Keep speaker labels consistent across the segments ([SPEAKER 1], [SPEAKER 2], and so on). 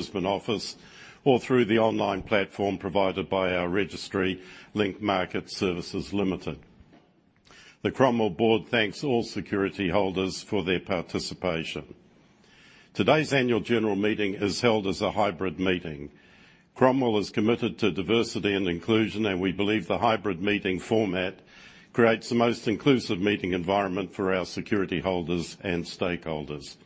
[SPEAKER 1] Brisbane office or through the online platform provided by our registry Link Market Services Limited. The Cromwell board thanks all security holders for their participation. Today's annual general meeting is held as a hybrid meeting. Cromwell is committed to diversity and inclusion, and we believe the hybrid meeting format creates the most inclusive meeting environment for our security holders and stakeholders.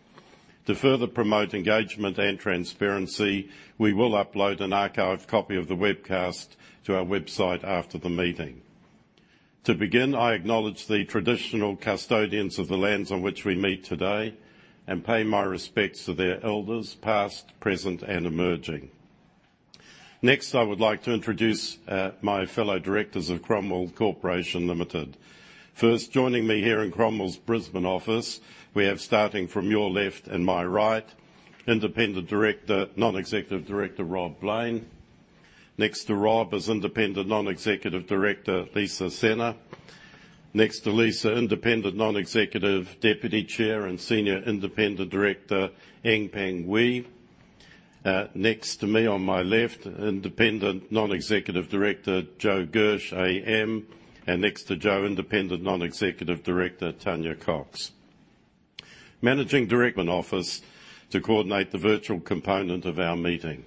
[SPEAKER 1] To further promote engagement and transparency, we will upload an archived copy of the webcast to our website after the meeting. To begin, I acknowledge the traditional custodians of the lands on which we meet today and pay my respects to their elders past, present, and emerging. Next, I would like to introduce my fellow directors of Cromwell Corporation Limited. First, joining me here in Cromwell's Brisbane office we have starting from your left and my right, independent director, non-executive director Rob Blain. Next to Rob is Independent Non-Executive Director Lisa Scenna. Next to Lisa, Independent Non-Executive Deputy Chair and Senior Independent Director Eng Peng Ooi. Next to me on my left, Independent Non-Executive Director Joseph Gersh AM, and next to Joseph, Independent Non-Executive Director Tanya Cox. Managing Director's office to coordinate the virtual component of our meeting.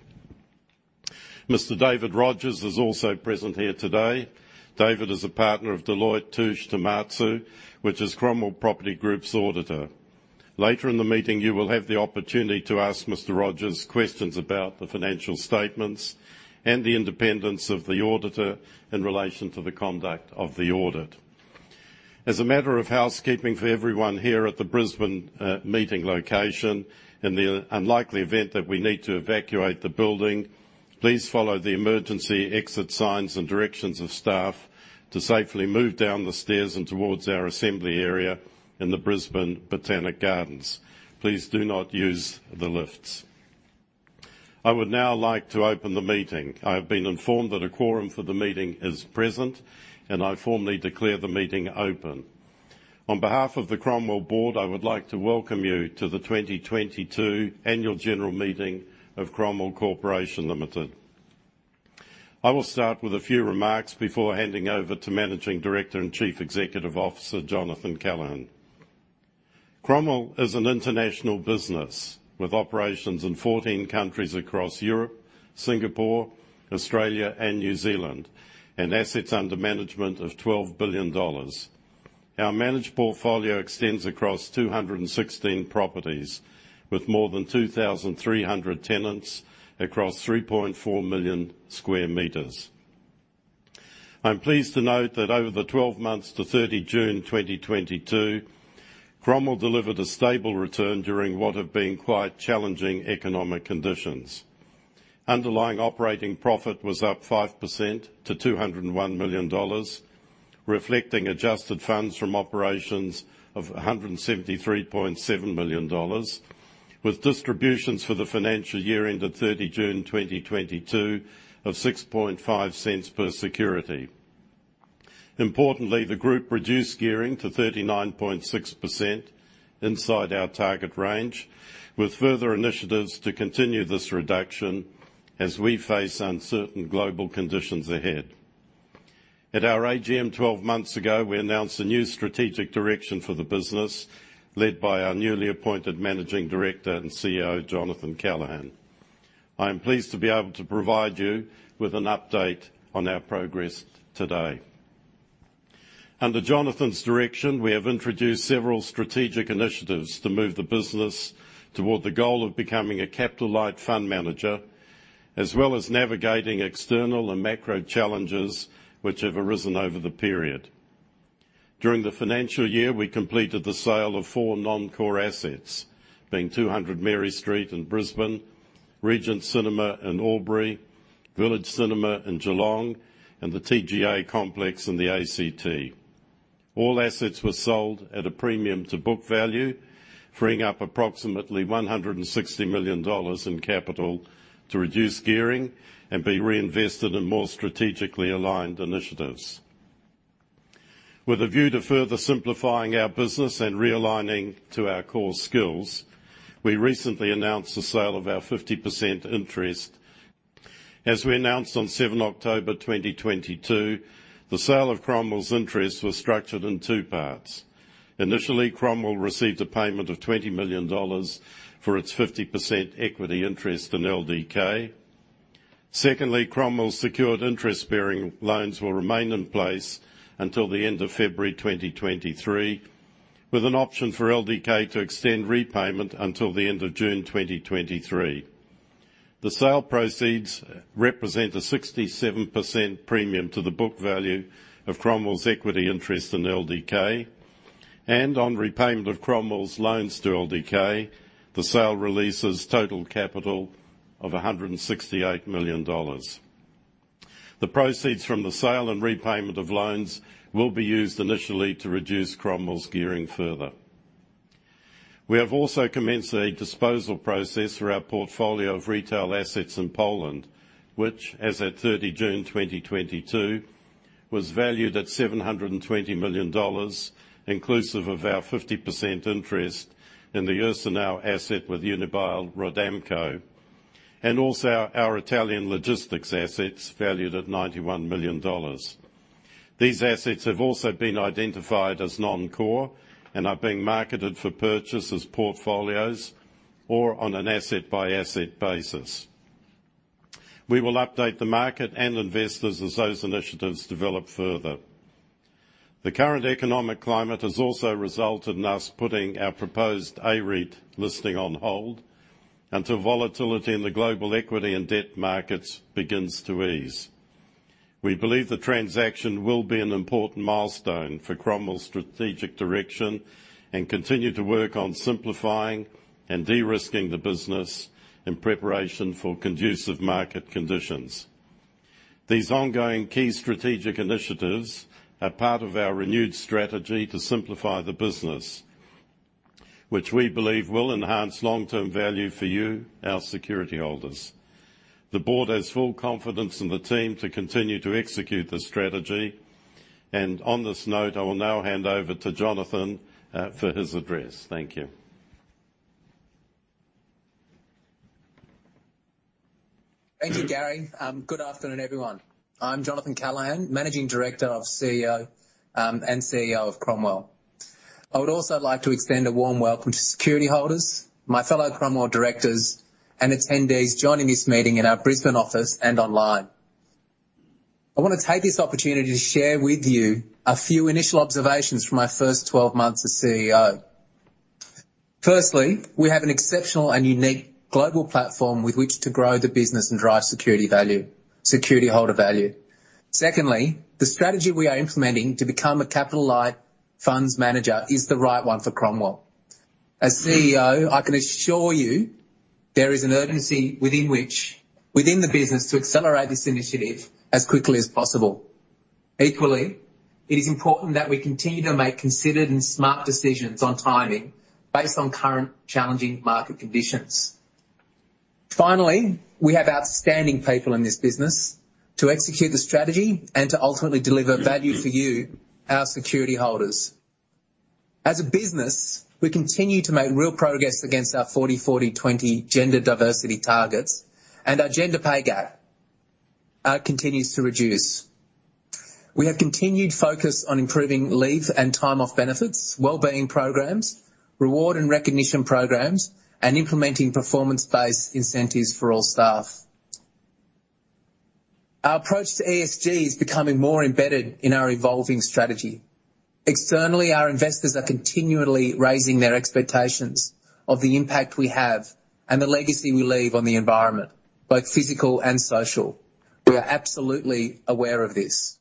[SPEAKER 1] Mr. David Rodgers is also present here today. David is a partner of Deloitte Touche Tohmatsu, which is Cromwell Property Group's auditor. Later in the meeting, you will have the opportunity to ask Mr. Rodgers questions about the financial statements and the independence of the auditor in relation to the conduct of the audit. As a matter of housekeeping for everyone here at the Brisbane meeting location, in the unlikely event that we need to evacuate the building, please follow the emergency exit signs and directions of staff to safely move down the stairs and towards our assembly area in the Brisbane Botanic Gardens. Please do not use the lifts. I would now like to open the meeting. I have been informed that a quorum for the meeting is present, and I formally declare the meeting open. On behalf of the Cromwell board, I would like to welcome you to the 2022 annual general meeting of Cromwell Corporation Limited. I will start with a few remarks before handing over to Managing Director and Chief Executive Officer Jonathan Callaghan. Cromwell is an international business with operations in 14 countries across Europe, Singapore, Australia, and New Zealand, and assets under management of 12 billion dollars. Our managed portfolio extends across 216 properties with more than 2,300 tenants across 3.4 million square meters. I'm pleased to note that over the 12 months to 30 June 2022, Cromwell delivered a stable return during what have been quite challenging economic conditions. Underlying operating profit was up 5% to 201 million dollars, reflecting adjusted funds from operations of 173.7 million dollars with distributions for the financial year ended 30 June 2022 of 0.065 per security. Importantly, the group reduced gearing to 39.6% inside our target range with further initiatives to continue this reduction as we face uncertain global conditions ahead. At our AGM 12 months ago, we announced a new strategic direction for the business led by our newly appointed managing director and CEO, Jonathan Callaghan. I'm pleased to be able to provide you with an update on our progress today. Under Jonathan's direction, we have introduced several strategic initiatives to move the business toward the goal of becoming a capital light fund manager, as well as navigating external and macro challenges which have arisen over the period. During the financial year, we completed the sale of 4 non-core assets, being 200 Mary Street in Brisbane, Regent Cinema in Albury, Village Cinema in Geelong, and the TGA complex in the ACT. All assets were sold at a premium to book value, freeing up approximately 160 million dollars in capital to reduce gearing and be reinvested in more strategically aligned initiatives. With a view to further simplifying our business and realigning to our core skills, we recently announced the sale of our 50% interest. As we announced on 7 October 2022, the sale of Cromwell's interest was structured in two parts. Initially, Cromwell received a payment of 20 million dollars for its 50% equity interest in LDK. Secondly, Cromwell's secured interest-bearing loans will remain in place until the end of February 2023, with an option for LDK to extend repayment until the end of June 2023. The sale proceeds represent a 67% premium to the book value of Cromwell's equity interest in LDK and on repayment of Cromwell's loans to LDK, the sale releases total capital of 168 million dollars. The proceeds from the sale and repayment of loans will be used initially to reduce Cromwell's gearing further. We have also commenced a disposal process for our portfolio of retail assets in Poland, which as at 30 June 2022, was valued at 720 million dollars, inclusive of our 50% interest in the Ursynow asset with Unibail-Rodamco-Westfield, and also our Italian logistics assets valued at 91 million dollars. These assets have also been identified as non-core and are being marketed for purchase as portfolios or on an asset by asset basis. We will update the market and investors as those initiatives develop further. The current economic climate has also resulted in us putting our proposed A-REIT listing on hold until volatility in the global equity and debt markets begins to ease. We believe the transaction will be an important milestone for Cromwell's strategic direction and continue to work on simplifying and de-risking the business in preparation for conducive market conditions. These ongoing key strategic initiatives are part of our renewed strategy to simplify the business, which we believe will enhance long-term value for you, our security holders. The board has full confidence in the team to continue to execute the strategy. On this note, I will now hand over to Jonathan for his address. Thank you.
[SPEAKER 2] Thank you, Gary. Good afternoon, everyone. I'm Jonathan Callaghan, Managing Director and CEO of Cromwell. I would also like to extend a warm welcome to security holders, my fellow Cromwell directors and attendees joining this meeting in our Brisbane office and online. I wanna take this opportunity to share with you a few initial observations from my first 12 months as CEO. Firstly, we have an exceptional and unique global platform with which to grow the business and drive security holder value. Secondly, the strategy we are implementing to become a capital light funds manager is the right one for Cromwell. As CEO, I can assure you there is an urgency within the business to accelerate this initiative as quickly as possible. Equally, it is important that we continue to make considered and smart decisions on timing based on current challenging market conditions. Finally, we have outstanding people in this business to execute the strategy and to ultimately deliver value for you, our security holders. As a business, we continue to make real progress against our 40:40:20 gender diversity targets and our gender pay gap continues to reduce. We have continued focus on improving leave and time off benefits, wellbeing programs, reward and recognition programs, and implementing performance-based incentives for all staff. Our approach to ESG is becoming more embedded in our evolving strategy. Externally, our investors are continually raising their expectations of the impact we have and the legacy we leave on the environment, both physical and social. We are absolutely aware of this.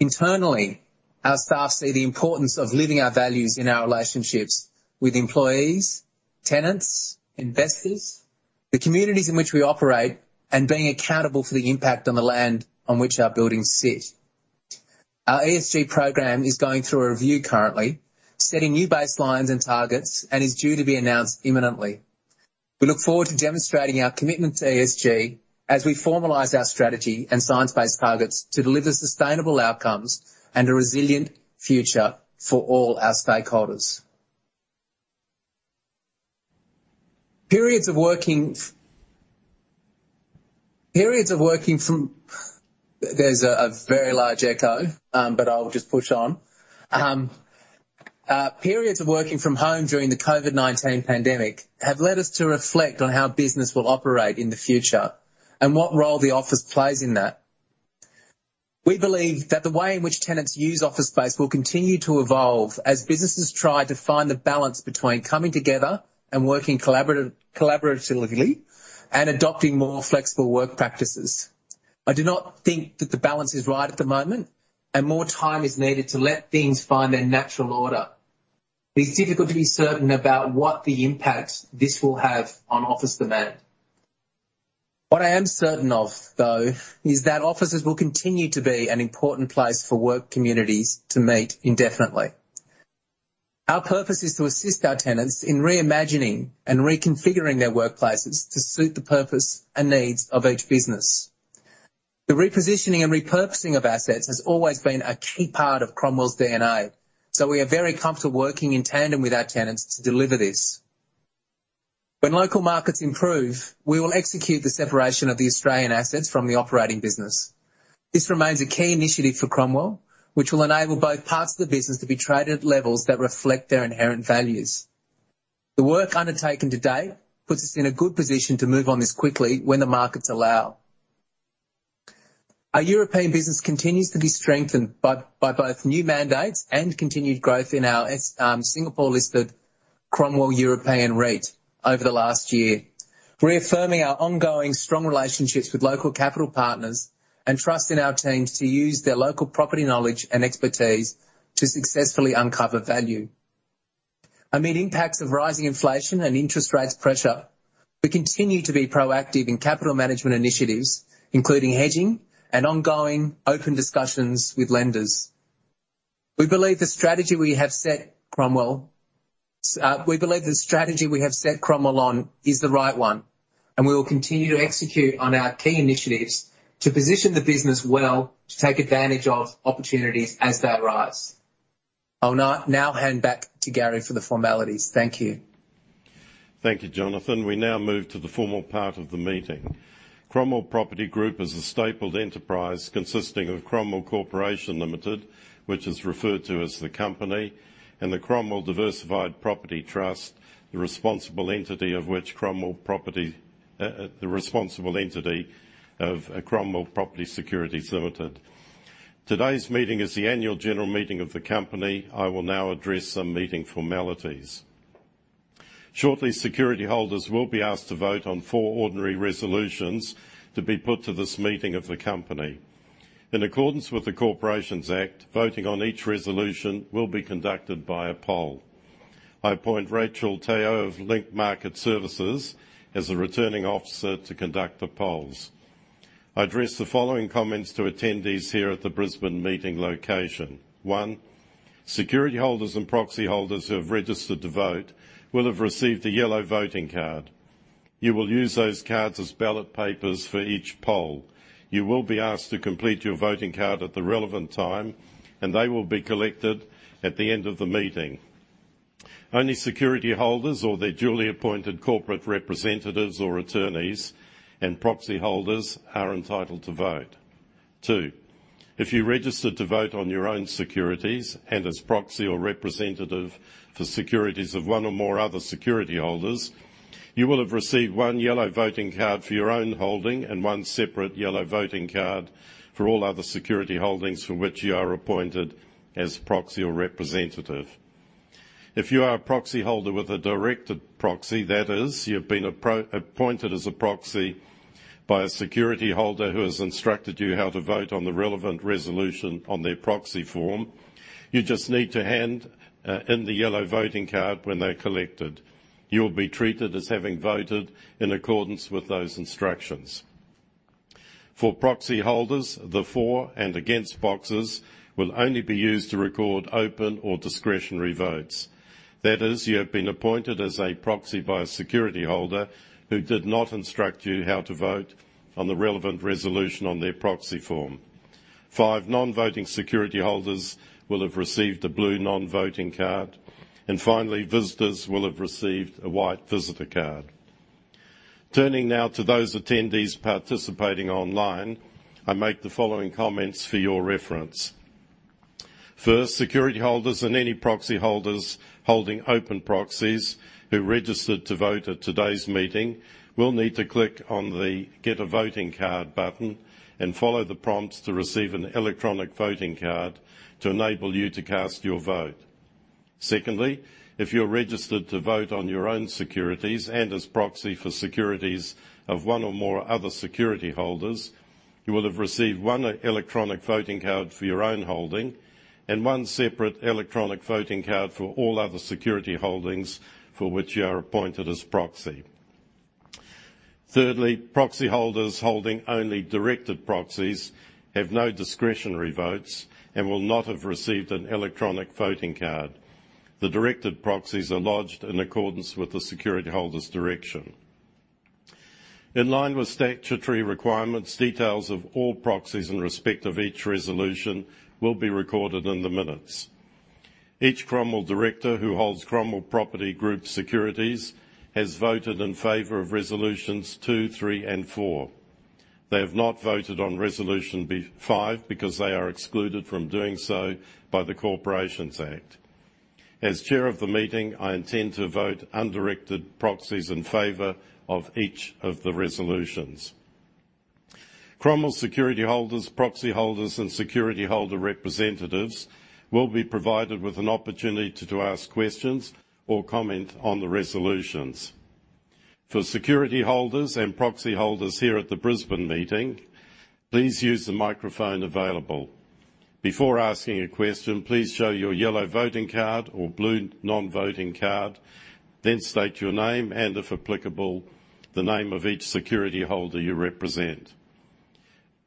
[SPEAKER 2] Internally, our staff see the importance of living our values in our relationships with employees, tenants, investors, the communities in which we operate, and being accountable for the impact on the land on which our buildings sit. Our ESG program is going through a review currently, setting new baselines and targets, and is due to be announced imminently. We look forward to demonstrating our commitment to ESG as we formalize our strategy and science-based targets to deliver sustainable outcomes and a resilient future for all our stakeholders. There's a very large echo, but I'll just push on. Periods of working from home during the COVID-19 pandemic have led us to reflect on how business will operate in the future and what role the office plays in that. We believe that the way in which tenants use office space will continue to evolve as businesses try to find the balance between coming together and working collaboratively and adopting more flexible work practices. I do not think that the balance is right at the moment, and more time is needed to let things find their natural order. It is difficult to be certain about what the impact this will have on office demand. What I am certain of, though, is that offices will continue to be an important place for work communities to meet indefinitely. Our purpose is to assist our tenants in reimagining and reconfiguring their workplaces to suit the purpose and needs of each business. The repositioning and repurposing of assets has always been a key part of Cromwell's DNA, so we are very comfortable working in tandem with our tenants to deliver this. When local markets improve, we will execute the separation of the Australian assets from the operating business. This remains a key initiative for Cromwell, which will enable both parts of the business to be traded at levels that reflect their inherent values. The work undertaken to date puts us in a good position to move on this quickly when the markets allow. Our European business continues to be strengthened by both new mandates and continued growth in our Singapore-listed Cromwell European REIT over the last year, reaffirming our ongoing strong relationships with local capital partners and trust in our teams to use their local property knowledge and expertise to successfully uncover value. Amid impacts of rising inflation and interest rates pressure. We continue to be proactive in capital management initiatives, including hedging and ongoing open discussions with lenders. We believe the strategy we have set Cromwell on is the right one, and we will continue to execute on our key initiatives to position the business well to take advantage of opportunities as they arise. I'll now hand back to Gary for the formalities. Thank you.
[SPEAKER 1] Thank you, Jonathan. We now move to the formal part of the meeting. Cromwell Property Group is a stapled enterprise consisting of Cromwell Corporation Limited, which is referred to as the company, and the Cromwell Diversified Property Trust, the responsible entity of which is Cromwell Property Securities Limited. Today's meeting is the annual general meeting of the company. I will now address some meeting formalities. Shortly, security holders will be asked to vote on four ordinary resolutions to be put to this meeting of the company. In accordance with the Corporations Act, voting on each resolution will be conducted by a poll. I appoint Rachel Teo of Link Market Services as the Returning Officer to conduct the polls. I address the following comments to attendees here at the Brisbane meeting location. 1, security holders and proxy holders who have registered to vote will have received a yellow voting card. You will use those cards as ballot papers for each poll. You will be asked to complete your voting card at the relevant time, and they will be collected at the end of the meeting. Only security holders or their duly appointed corporate representatives or attorneys and proxy holders are entitled to vote. two, if you registered to vote on your own securities and as proxy or representative for securities of one or more other security holders, you will have received one yellow voting card for your own holding and one separate yellow voting card for all other security holdings for which you are appointed as proxy or representative. If you are a proxy holder with a directed proxy, that is, you've been appointed as a proxy by a security holder who has instructed you how to vote on the relevant resolution on their proxy form, you just need to hand in the yellow voting card when they're collected. You'll be treated as having voted in accordance with those instructions. For proxy holders, the for and against boxes will only be used to record open or discretionary votes. That is, you have been appointed as a proxy by a security holder who did not instruct you how to vote on the relevant resolution on their proxy form. Five non-voting security holders will have received a blue non-voting card. Finally, visitors will have received a white visitor card. Turning now to those attendees participating online, I make the following comments for your reference. First, security holders and any proxy holders holding open proxies who registered to vote at today's meeting will need to click on the Get a Voting Card button and follow the prompts to receive an electronic voting card to enable you to cast your vote. Secondly, if you're registered to vote on your own securities and as proxy for securities of one or more other security holders, you will have received one electronic voting card for your own holding and one separate electronic voting card for all other security holdings for which you are appointed as proxy. Thirdly, proxy holders holding only directed proxies have no discretionary votes and will not have received an electronic voting card. The directed proxies are lodged in accordance with the security holder's direction. In line with statutory requirements, details of all proxies in respect of each resolution will be recorded in the minutes. Each Cromwell director who holds Cromwell Property Group securities has voted in favor of resolutions two, three, and four. They have not voted on resolution five because they are excluded from doing so by the Corporations Act. As chair of the meeting, I intend to vote undirected proxies in favor of each of the resolutions. Cromwell security holders, proxy holders, and security holder representatives will be provided with an opportunity to ask questions or comment on the resolutions. For security holders and proxy holders here at the Brisbane meeting, please use the microphone available. Before asking a question, please show your yellow voting card or blue non-voting card, then state your name and, if applicable, the name of each security holder you represent.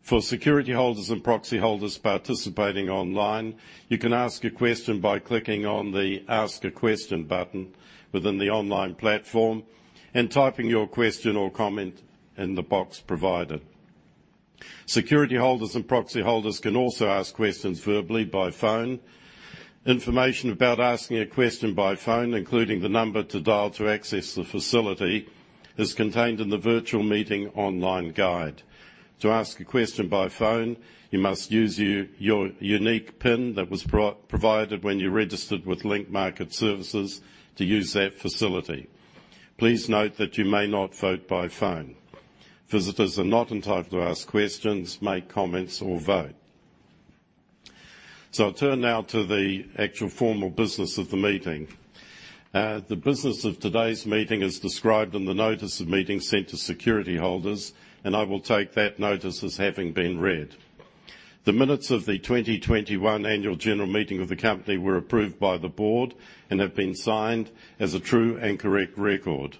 [SPEAKER 1] For security holders and proxy holders participating online, you can ask a question by clicking on the Ask a Question button within the online platform and typing your question or comment in the box provided. Security holders and proxy holders can also ask questions verbally by phone. Information about asking a question by phone, including the number to dial to access the facility, is contained in the virtual meeting online guide. To ask a question by phone, you must use your unique PIN that was provided when you registered with Link Market Services to use that facility. Please note that you may not vote by phone. Visitors are not entitled to ask questions, make comments, or vote. I turn now to the actual formal business of the meeting. The business of today's meeting is described in the notice of meeting sent to security holders, and I will take that notice as having been read. The minutes of the 2021 annual general meeting of the company were approved by the board and have been signed as a true and correct record.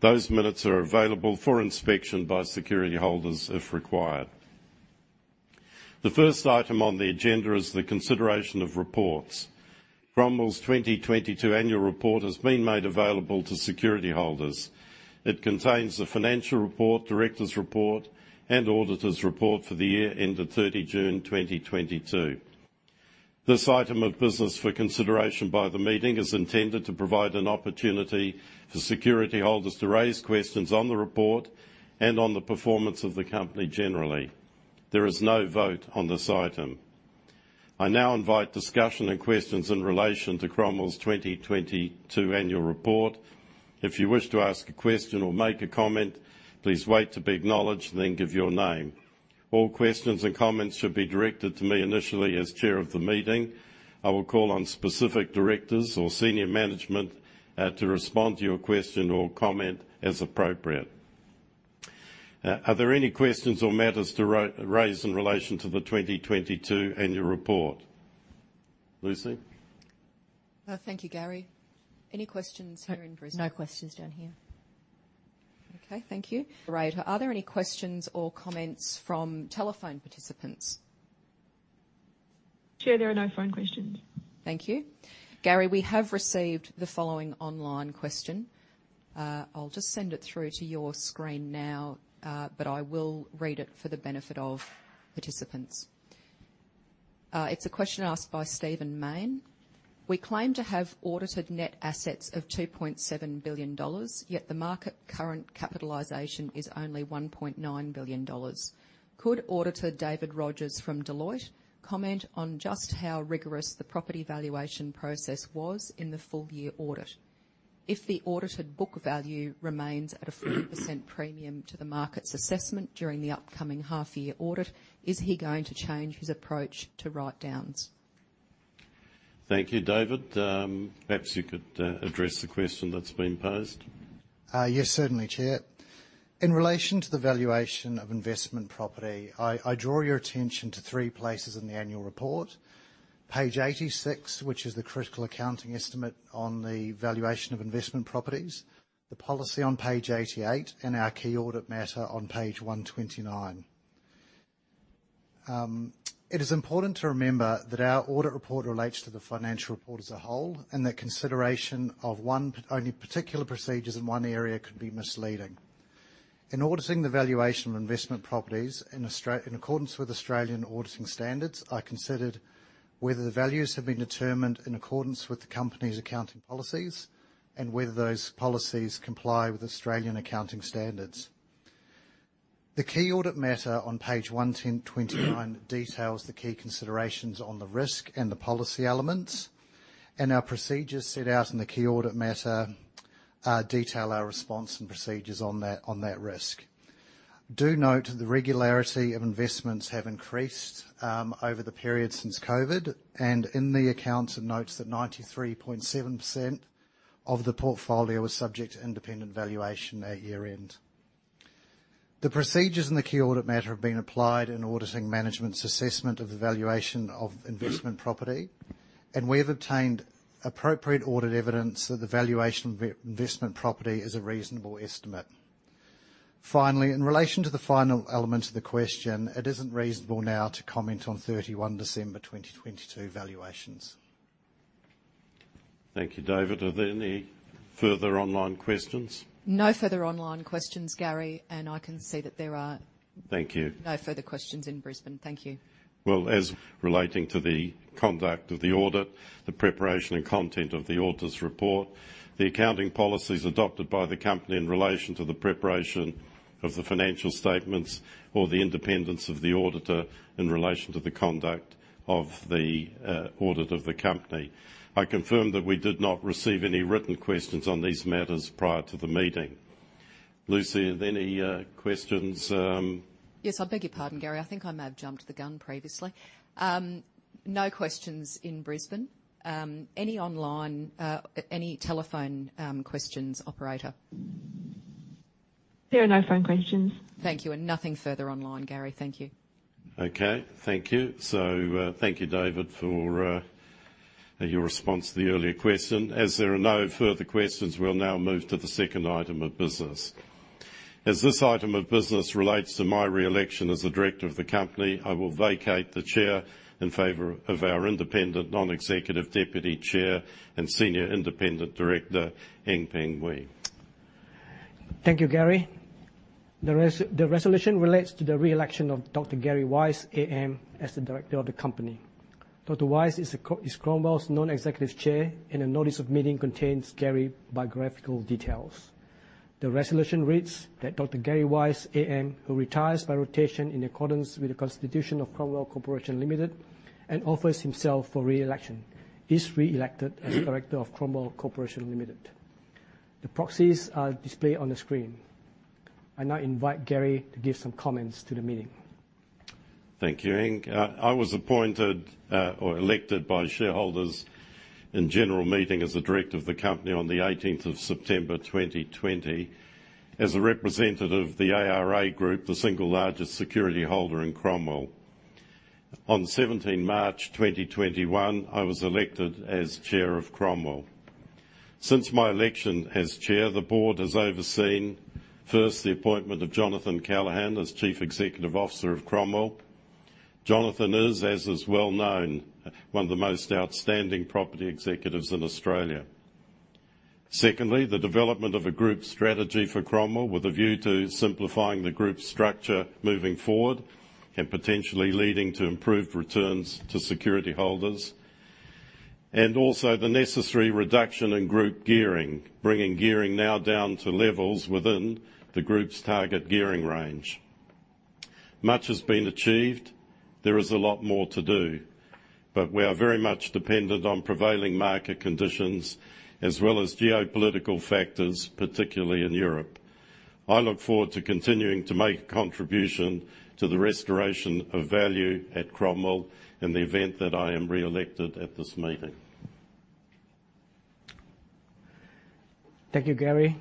[SPEAKER 1] Those minutes are available for inspection by security holders if required. The first item on the agenda is the consideration of reports. Cromwell's 2022 annual report has been made available to security holders. It contains the financial report, directors' report, and auditors' report for the year ended 30 June 2022. This item of business for consideration by the meeting is intended to provide an opportunity for security holders to raise questions on the report and on the performance of the company generally. There is no vote on this item. I now invite discussion and questions in relation to Cromwell's 2022 annual report. If you wish to ask a question or make a comment, please wait to be acknowledged and then give your name. All questions and comments should be directed to me initially as chair of the meeting. I will call on specific directors or senior management to respond to your question or comment as appropriate. Are there any questions or matters to raise in relation to the 2022 annual report? Lucy?
[SPEAKER 3] Thank you, Gary. Any questions here in Brisbane?
[SPEAKER 4] No questions down here.
[SPEAKER 3] Okay, thank you. Are there any questions or comments from telephone participants?
[SPEAKER 4] Sure there are no phone questions.
[SPEAKER 3] Thank you. Gary, we have received the following online question. I'll just send it through to your screen now, but I will read it for the benefit of participants. It's a question asked by Steven Main. We claim to have audited net assets of 2.7 billion dollars, yet the market capitalization is only 1.9 billion dollars. Could auditor David Rodgers from Deloitte comment on just how rigorous the property valuation process was in the full year audit? If the audited book value remains at a 40% premium to the market's assessment during the upcoming half year audit, is he going to change his approach to write-downs?
[SPEAKER 1] Thank you. David, perhaps you could address the question that's been posed.
[SPEAKER 5] Yes, certainly Chair. In relation to the valuation of investment property, I draw your attention to three places in the annual report. Page 86, which is the critical accounting estimate on the valuation of investment properties, the policy on page 88, and our key audit matter on page 129. It is important to remember that our audit report relates to the financial report as a whole, and that consideration of only particular procedures in one area could be misleading. In auditing the valuation of investment properties in accordance with Australian Auditing Standards, I considered whether the values have been determined in accordance with the company's accounting policies and whether those policies comply with Australian Accounting Standards. The key audit matter on page 110-129 details the key considerations on the risk and the policy elements, and our procedures set out in the key audit matter detail our response and procedures on that risk. Do note the regularity of investments have increased over the period since COVID, and in the accounts, it notes that 93.7% of the portfolio was subject to independent valuation at year-end. The procedures in the key audit matter have been applied in auditing management's assessment of the valuation of investment property, and we have obtained appropriate audit evidence that the valuation of investment property is a reasonable estimate. Finally, in relation to the final element of the question, it isn't reasonable now to comment on 31 December 2022 valuations.
[SPEAKER 1] Thank you, David. Are there any further online questions?
[SPEAKER 3] No further online questions, Gary, and I can see that there are.
[SPEAKER 1] Thank you.
[SPEAKER 3] No further questions in Brisbane, thank you.
[SPEAKER 1] Well, as relating to the conduct of the audit, the preparation and content of the auditor's report, the accounting policies adopted by the company in relation to the preparation of the financial statements or the independence of the auditor in relation to the conduct of the audit of the company. I confirm that we did not receive any written questions on these matters prior to the meeting. Lucy, are there any questions?
[SPEAKER 3] Yes. I beg your pardon, Gary. I think I may have jumped the gun previously. No questions in Brisbane. Any online, any telephone, questions, operator?
[SPEAKER 4] There are no phone questions.
[SPEAKER 3] Thank you. Nothing further online, Gary. Thank you.
[SPEAKER 1] Okay. Thank you. Thank you, David, for your response to the earlier question. As there are no further questions, we'll now move to the second item of business. As this item of business relates to my re-election as a director of the company, I will vacate the chair in favor of our Independent Non-Executive Deputy Chair and Senior Independent Director, Eng Peng Ooi.
[SPEAKER 6] Thank you, Gary. The resolution relates to the re-election of Dr. Gary Weiss AM as the director of the company. Dr. Weiss is Cromwell's Non-Executive Chair, and a notice of meeting contains Gary's biographical details. The resolution reads that Dr. Gary Weiss AM, who retires by rotation in accordance with the constitution of Cromwell Corporation Limited and offers himself for re-election, is re-elected as director of Cromwell Corporation Limited. The proxies are displayed on the screen. I now invite Gary to give some comments to the meeting.
[SPEAKER 1] Thank you, Eng. I was appointed or elected by shareholders in general meeting as a director of the company on the 18th of September 2020, as a representative of the ARA Group, the single largest security holder in Cromwell. On 17 March 2021, I was elected as chair of Cromwell. Since my election as chair, the board has overseen first the appointment of Jonathan Callaghan as Chief Executive Officer of Cromwell. Jonathan is, as is well-known, one of the most outstanding property executives in Australia. Secondly, the development of a group strategy for Cromwell with a view to simplifying the group's structure moving forward and potentially leading to improved returns to security holders. Also the necessary reduction in group gearing, bringing gearing now down to levels within the group's target gearing range. Much has been achieved. There is a lot more to do, but we are very much dependent on prevailing market conditions as well as geopolitical factors, particularly in Europe. I look forward to continuing to make a contribution to the restoration of value at Cromwell in the event that I am reelected at this meeting.
[SPEAKER 6] Thank you, Gary.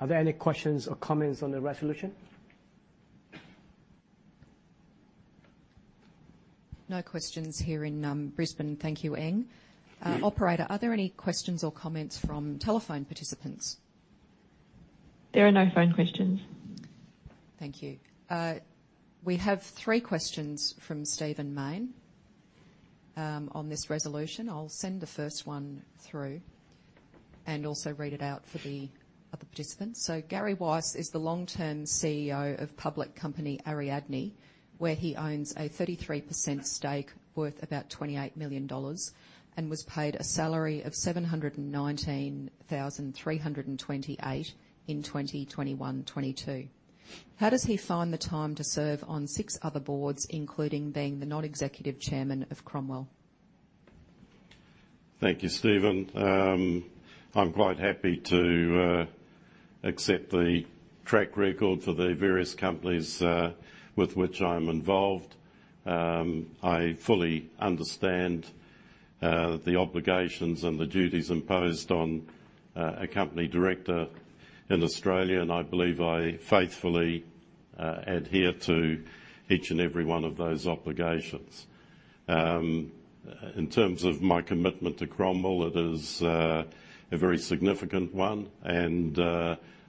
[SPEAKER 6] Are there any questions or comments on the resolution?
[SPEAKER 3] No questions here in Brisbane. Thank you, Eng. Operator, are there any questions or comments from telephone participants?
[SPEAKER 4] There are no phone questions.
[SPEAKER 3] Thank you. We have three questions from Steven Main on this resolution. I'll send the first one through and also read it out for the other participants. Gary Weiss is the long-term CEO of public company Ariadne, where he owns a 33% stake worth about AUD 28 million and was paid a salary of 719,328 in 2021-22. How does he find the time to serve on six other boards, including being the non-executive chairman of Cromwell?
[SPEAKER 1] Thank you, Steven. I'm quite happy to accept the track record for the various companies with which I'm involved. I fully understand the obligations and the duties imposed on a company director in Australia, and I believe I faithfully adhere to each and every one of those obligations. In terms of my commitment to Cromwell, it is a very significant one.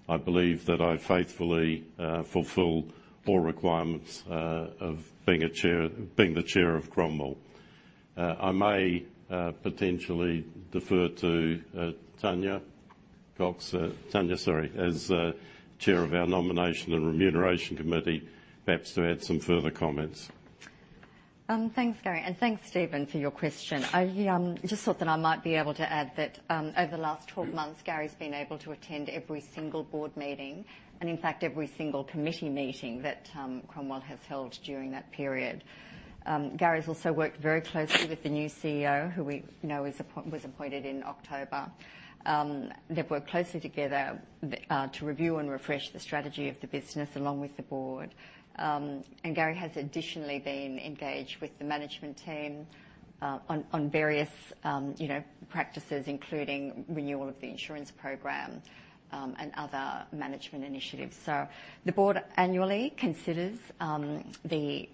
[SPEAKER 1] I believe that I faithfully fulfill all requirements of being a chair, being the chair of Cromwell. I may potentially defer to Tanya Cox. Tanya, sorry. As chair of our nomination and remuneration committee, perhaps to add some further comments.
[SPEAKER 7] Thanks, Gary, and thanks Steven for your question. I just thought that I might be able to add that, over the last 12 months, Gary's been able to attend every single board meeting and in fact every single committee meeting that Cromwell has held during that period. Gary's also worked very closely with the new CEO, who we know was appointed in October. They've worked closely together to review and refresh the strategy of the business along with the board. Gary has additionally been engaged with the management team on various, you know, practices including renewal of the insurance program and other management initiatives. The board annually considers the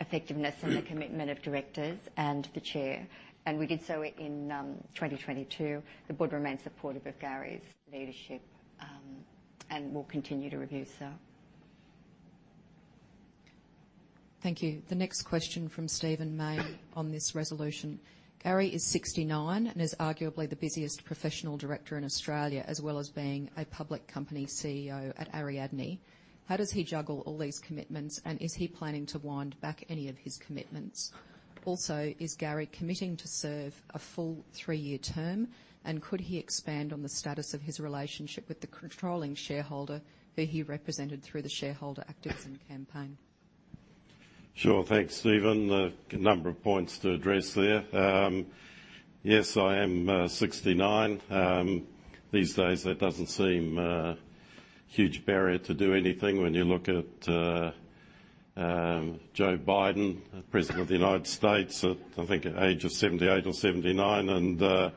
[SPEAKER 7] effectiveness and the commitment of directors and the chair, and we did so in 2022. The board remains supportive of Gary's leadership and will continue to review so.
[SPEAKER 3] Thank you. The next question from Steven Main on this resolution. Gary is 69 and is arguably the busiest professional director in Australia, as well as being a public company CEO at Ariadne. How does he juggle all these commitments, and is he planning to wind back any of his commitments? Also, is Gary committing to serve a full three-year term, and could he expand on the status of his relationship with the controlling shareholder who he represented through the shareholder activism campaign?
[SPEAKER 1] Sure. Thanks, Steven. A number of points to address there. Yes, I am 69. These days, that doesn't seem a huge barrier to do anything when you look at Joe Biden, President of the United States, at, I think, age of 78 or 79, and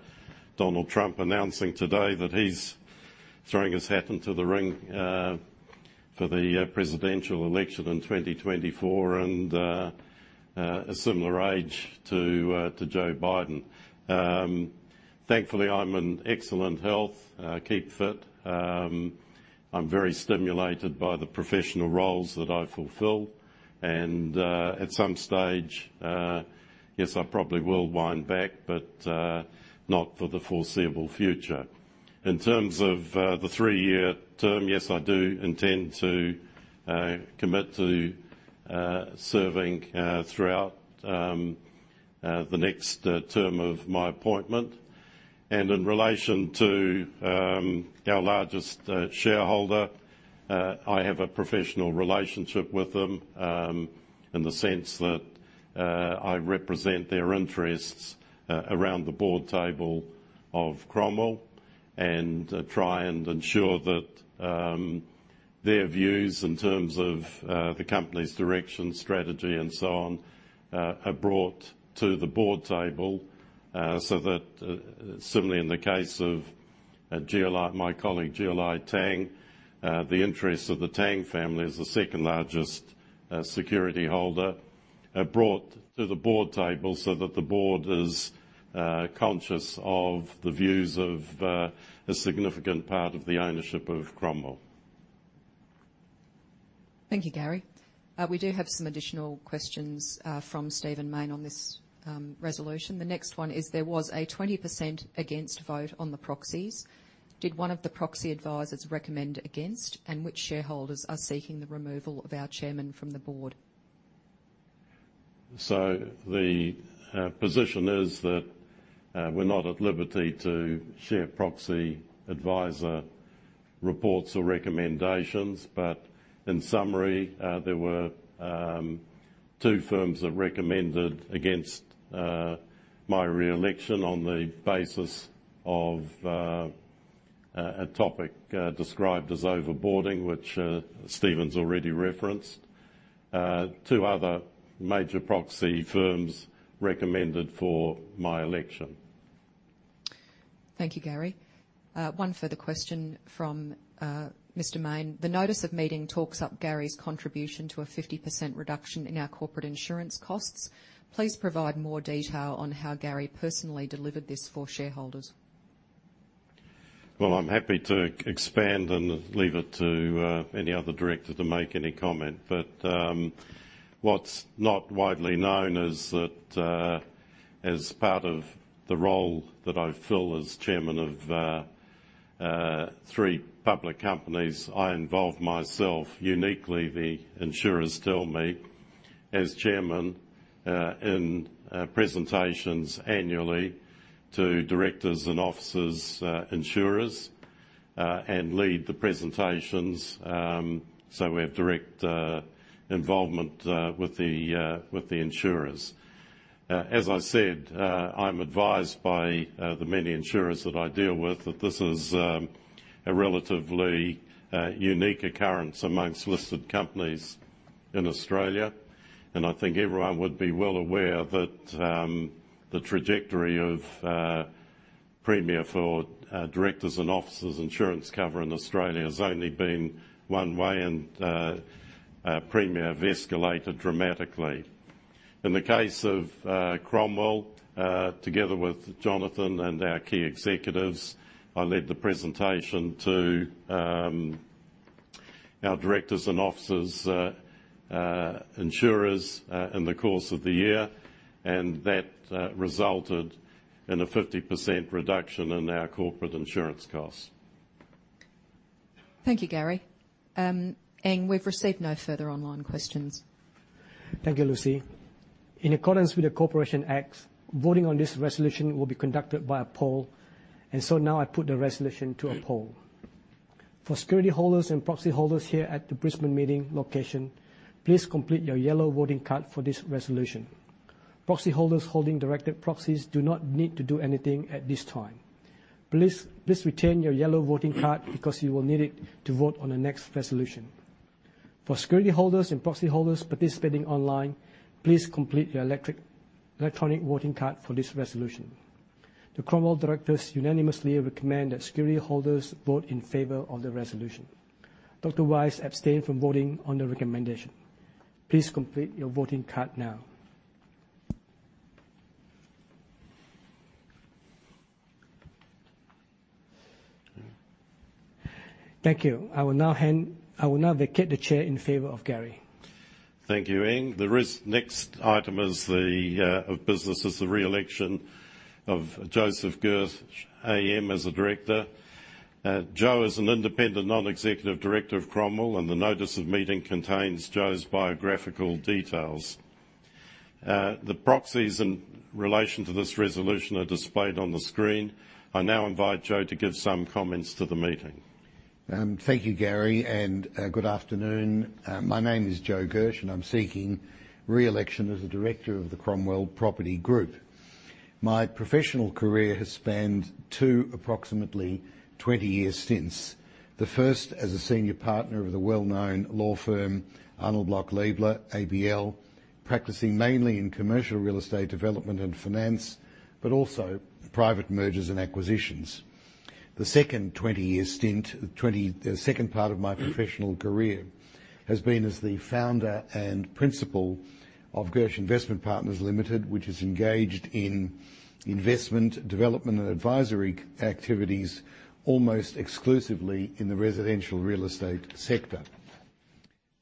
[SPEAKER 1] Donald Trump announcing today that he's throwing his hat into the ring for the presidential election in 2024, and a similar age to Joe Biden. Thankfully, I'm in excellent health, keep fit. I'm very stimulated by the professional roles that I fulfill, and at some stage, yes, I probably will wind back, but not for the foreseeable future. In terms of the three-year term, yes, I do intend to commit to serving throughout the next term of my appointment. In relation to our largest shareholder, I have a professional relationship with them in the sense that I represent their interests around the board table of Cromwell and try and ensure that their views in terms of the company's direction, strategy, and so on are brought to the board table so that certainly in the case of my colleague, Jialei Tang, the interest of the Tang family as the second-largest security holder are brought to the board table so that the board is conscious of the views of a significant part of the ownership of Cromwell.
[SPEAKER 3] Thank you, Gary. We do have some additional questions from Steven Main on this resolution. The next one is there was a 20% against vote on the proxies. Did one of the proxy advisors recommend against? And which shareholders are seeking the removal of our chairman from the board?
[SPEAKER 1] The position is that we're not at liberty to share proxy advisor reports or recommendations, but in summary, there were two firms that recommended against my re-election on the basis of a topic described as overboarding, which Steven already referenced. Two other major proxy firms recommended for my election.
[SPEAKER 3] Thank you, Gary. One further question from Mr. Main. The notice of meeting talks up Gary's contribution to a 50% reduction in our corporate insurance costs. Please provide more detail on how Gary personally delivered this for shareholders.
[SPEAKER 1] Well, I'm happy to expand and leave it to any other director to make any comment. What's not widely known is that as part of the role that I fill as chairman of three public companies, I involve myself, uniquely the insurers tell me, as chairman, in presentations annually to directors and officers' insurers, and lead the presentations. We have direct involvement with the insurers. As I said, I'm advised by the many insurers that I deal with that this is a relatively unique occurrence among listed companies in Australia. I think everyone would be well aware that the trajectory of premiums for directors and officers' insurance cover in Australia has only been one way, and premiums have escalated dramatically. In the case of Cromwell, together with Jonathan and our key executives, I led the presentation to our directors and officers' insurers in the course of the year, and that resulted in a 50% reduction in our corporate insurance costs.
[SPEAKER 3] Thank you, Gary. Eng, we've received no further online questions.
[SPEAKER 6] Thank you, Lucy. In accordance with the Corporations Act, voting on this resolution will be conducted by a poll. Now I put the resolution to a poll. For security holders and proxy holders here at the Brisbane meeting location, please complete your yellow voting card for this resolution. Proxy holders holding directed proxies do not need to do anything at this time. Please, please retain your yellow voting card because you will need it to vote on the next resolution. For security holders and proxy holders participating online, please complete your electronic voting card for this resolution. The Cromwell directors unanimously recommend that security holders vote in favor of the resolution. Dr. Weiss abstained from voting on the recommendation. Please complete your voting card now. Thank you. I will now vacate the chair in favor of Gary.
[SPEAKER 1] Thank you, Eng. The next item of business is the re-election of Joseph Gersh AM as a director. Joe is an independent non-executive director of Cromwell, and the notice of meeting contains Joe's biographical details. The proxies in relation to this resolution are displayed on the screen. I now invite Joe to give some comments to the meeting.
[SPEAKER 8] Thank you, Gary, and good afternoon. My name is Joe Gersh, and I'm seeking re-election as a director of the Cromwell Property Group. My professional career has spanned two approximately 20-year stints. The first as a senior partner of the well-known law firm Arnold Bloch Leibler, ABL, practicing mainly in commercial real estate development and finance, but also private mergers and acquisitions. The second 20-year stint, second part of my professional career has been as the founder and principal of Gersh Investment Partners Limited, which is engaged in investment, development, and advisory activities almost exclusively in the residential real estate sector.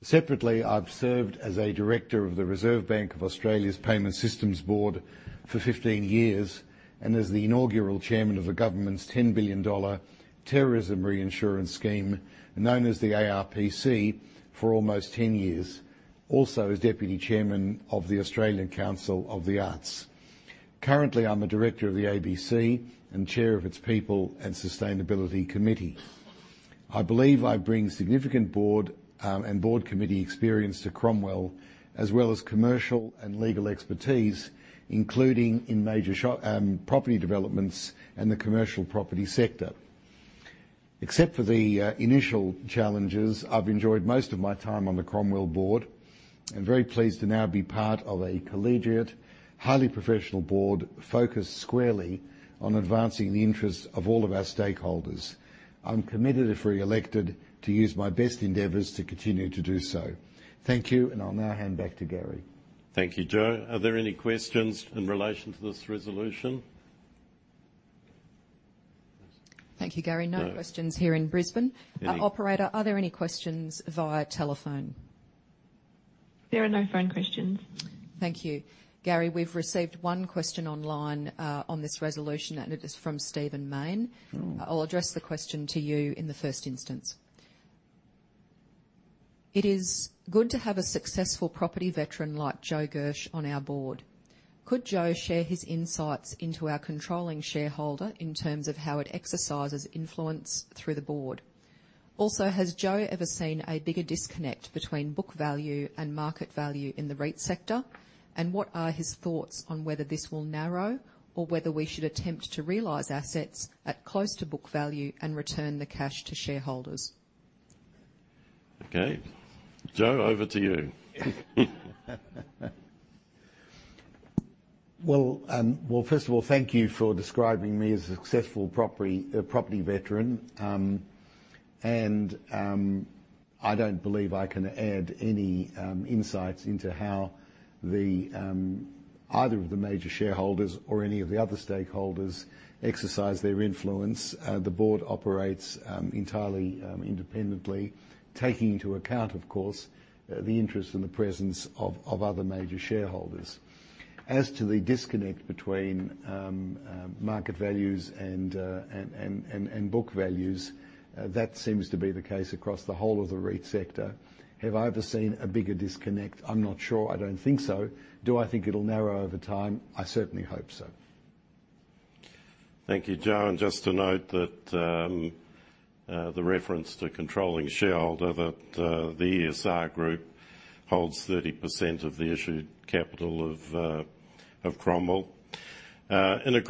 [SPEAKER 8] Separately, I've served as a director of the Reserve Bank of Australia's Payments System Board for 15 years and as the inaugural chairman of the government's 10 billion-dollar terrorism reinsurance scheme, known as the ARPC, for almost 10 years. Also, as deputy chairman of the Australia Council for the Arts. Currently, I'm a director of the ABC and chair of its People and Sustainability Committee. I believe I bring significant board and board committee experience to Cromwell, as well as commercial and legal expertise, including in major property developments and the commercial property sector. Except for the initial challenges, I've enjoyed most of my time on the Cromwell board. I'm very pleased to now be part of a collegiate, highly professional board focused squarely on advancing the interests of all of our stakeholders. I'm committed, if reelected, to use my best endeavors to continue to do so. Thank you, and I'll now hand back to Gary.
[SPEAKER 1] Thank you, Joe. Are there any questions in relation to this resolution?
[SPEAKER 3] Thank you, Gary.
[SPEAKER 1] Yeah.
[SPEAKER 3] No questions here in Brisbane.
[SPEAKER 1] Yeah.
[SPEAKER 3] Operator, are there any questions via telephone?
[SPEAKER 4] There are no phone questions.
[SPEAKER 3] Thank you. Gary, we've received one question online, on this resolution, and it is from Steven Main.
[SPEAKER 1] Oh.
[SPEAKER 3] I'll address the question to you in the first instance. It is good to have a successful property veteran like Joe Gersh on our board. Could Joe share his insights into our controlling shareholder in terms of how it exercises influence through the board? Also, has Joe ever seen a bigger disconnect between book value and market value in the REIT sector? And what are his thoughts on whether this will narrow, or whether we should attempt to realize assets at close to book value and return the cash to shareholders?
[SPEAKER 1] Okay. Joe, over to you.
[SPEAKER 8] Well, first of all, thank you for describing me as a successful property veteran. I don't believe I can add any insights into how either of the major shareholders or any of the other stakeholders exercise their influence. The board operates entirely independently, taking into account, of course, the interest and the presence of other major shareholders. As to the disconnect between market values and book values, that seems to be the case across the whole of the REIT sector. Have I ever seen a bigger disconnect? I'm not sure. I don't think so. Do I think it'll narrow over time? I certainly hope so.
[SPEAKER 1] Thank you, Joe. Just to note that the reference to controlling shareholder that the ESR Group holds 30% of the issued capital of Cromwell. Sorry,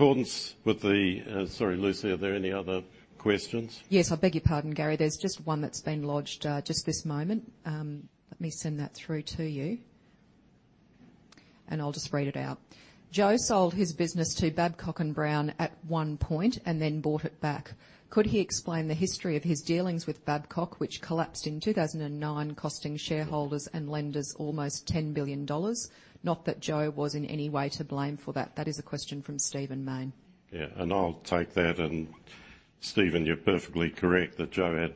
[SPEAKER 1] Lucy, are there any other questions?
[SPEAKER 3] Yes. I beg your pardon, Gary. There's just one that's been lodged just this moment. Let me send that through to you. I'll just read it out. Joe sold his business to Babcock & Brown at one point and then bought it back. Could he explain the history of his dealings with Babcock, which collapsed in 2009, costing shareholders and lenders almost 10 billion dollars? Not that Joe was in any way to blame for that. That is a question from Steven Main.
[SPEAKER 1] Yeah. I'll take that, and Steven, you're perfectly correct that Joe had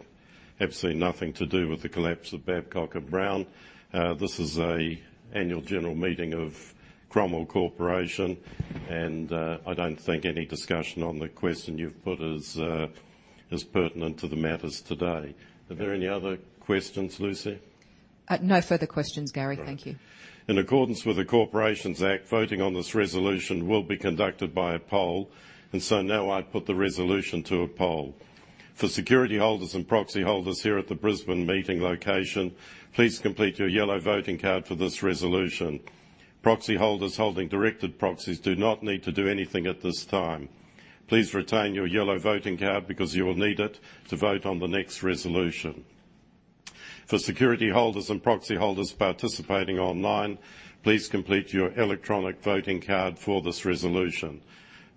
[SPEAKER 1] absolutely nothing to do with the collapse of Babcock & Brown. This is an annual general meeting of Cromwell Corporation, and I don't think any discussion on the question you've put is pertinent to the matters today. Are there any other questions, Lucy?
[SPEAKER 3] No further questions, Gary.
[SPEAKER 1] All right.
[SPEAKER 3] Thank you.
[SPEAKER 1] In accordance with the Corporations Act, voting on this resolution will be conducted by a poll. Now I put the resolution to a poll. For security holders and proxy holders here at the Brisbane meeting location, please complete your yellow voting card for this resolution. Proxy holders holding directed proxies do not need to do anything at this time. Please retain your yellow voting card because you will need it to vote on the next resolution. For security holders and proxy holders participating online, please complete your electronic voting card for this resolution.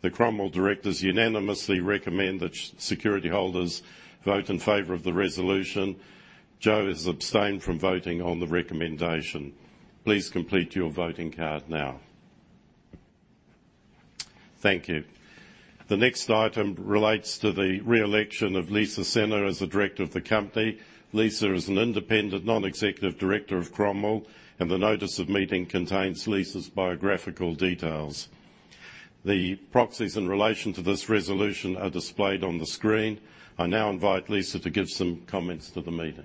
[SPEAKER 1] The Cromwell directors unanimously recommend that security holders vote in favor of the resolution. Joe has abstained from voting on the recommendation. Please complete your voting card now. Thank you. The next item relates to the re-election of Lisa Scenna as a director of the company. Lisa is an independent non-executive director of Cromwell, and the notice of meeting contains Lisa's biographical details. The proxies in relation to this resolution are displayed on the screen. I now invite Lisa to give some comments to the meeting.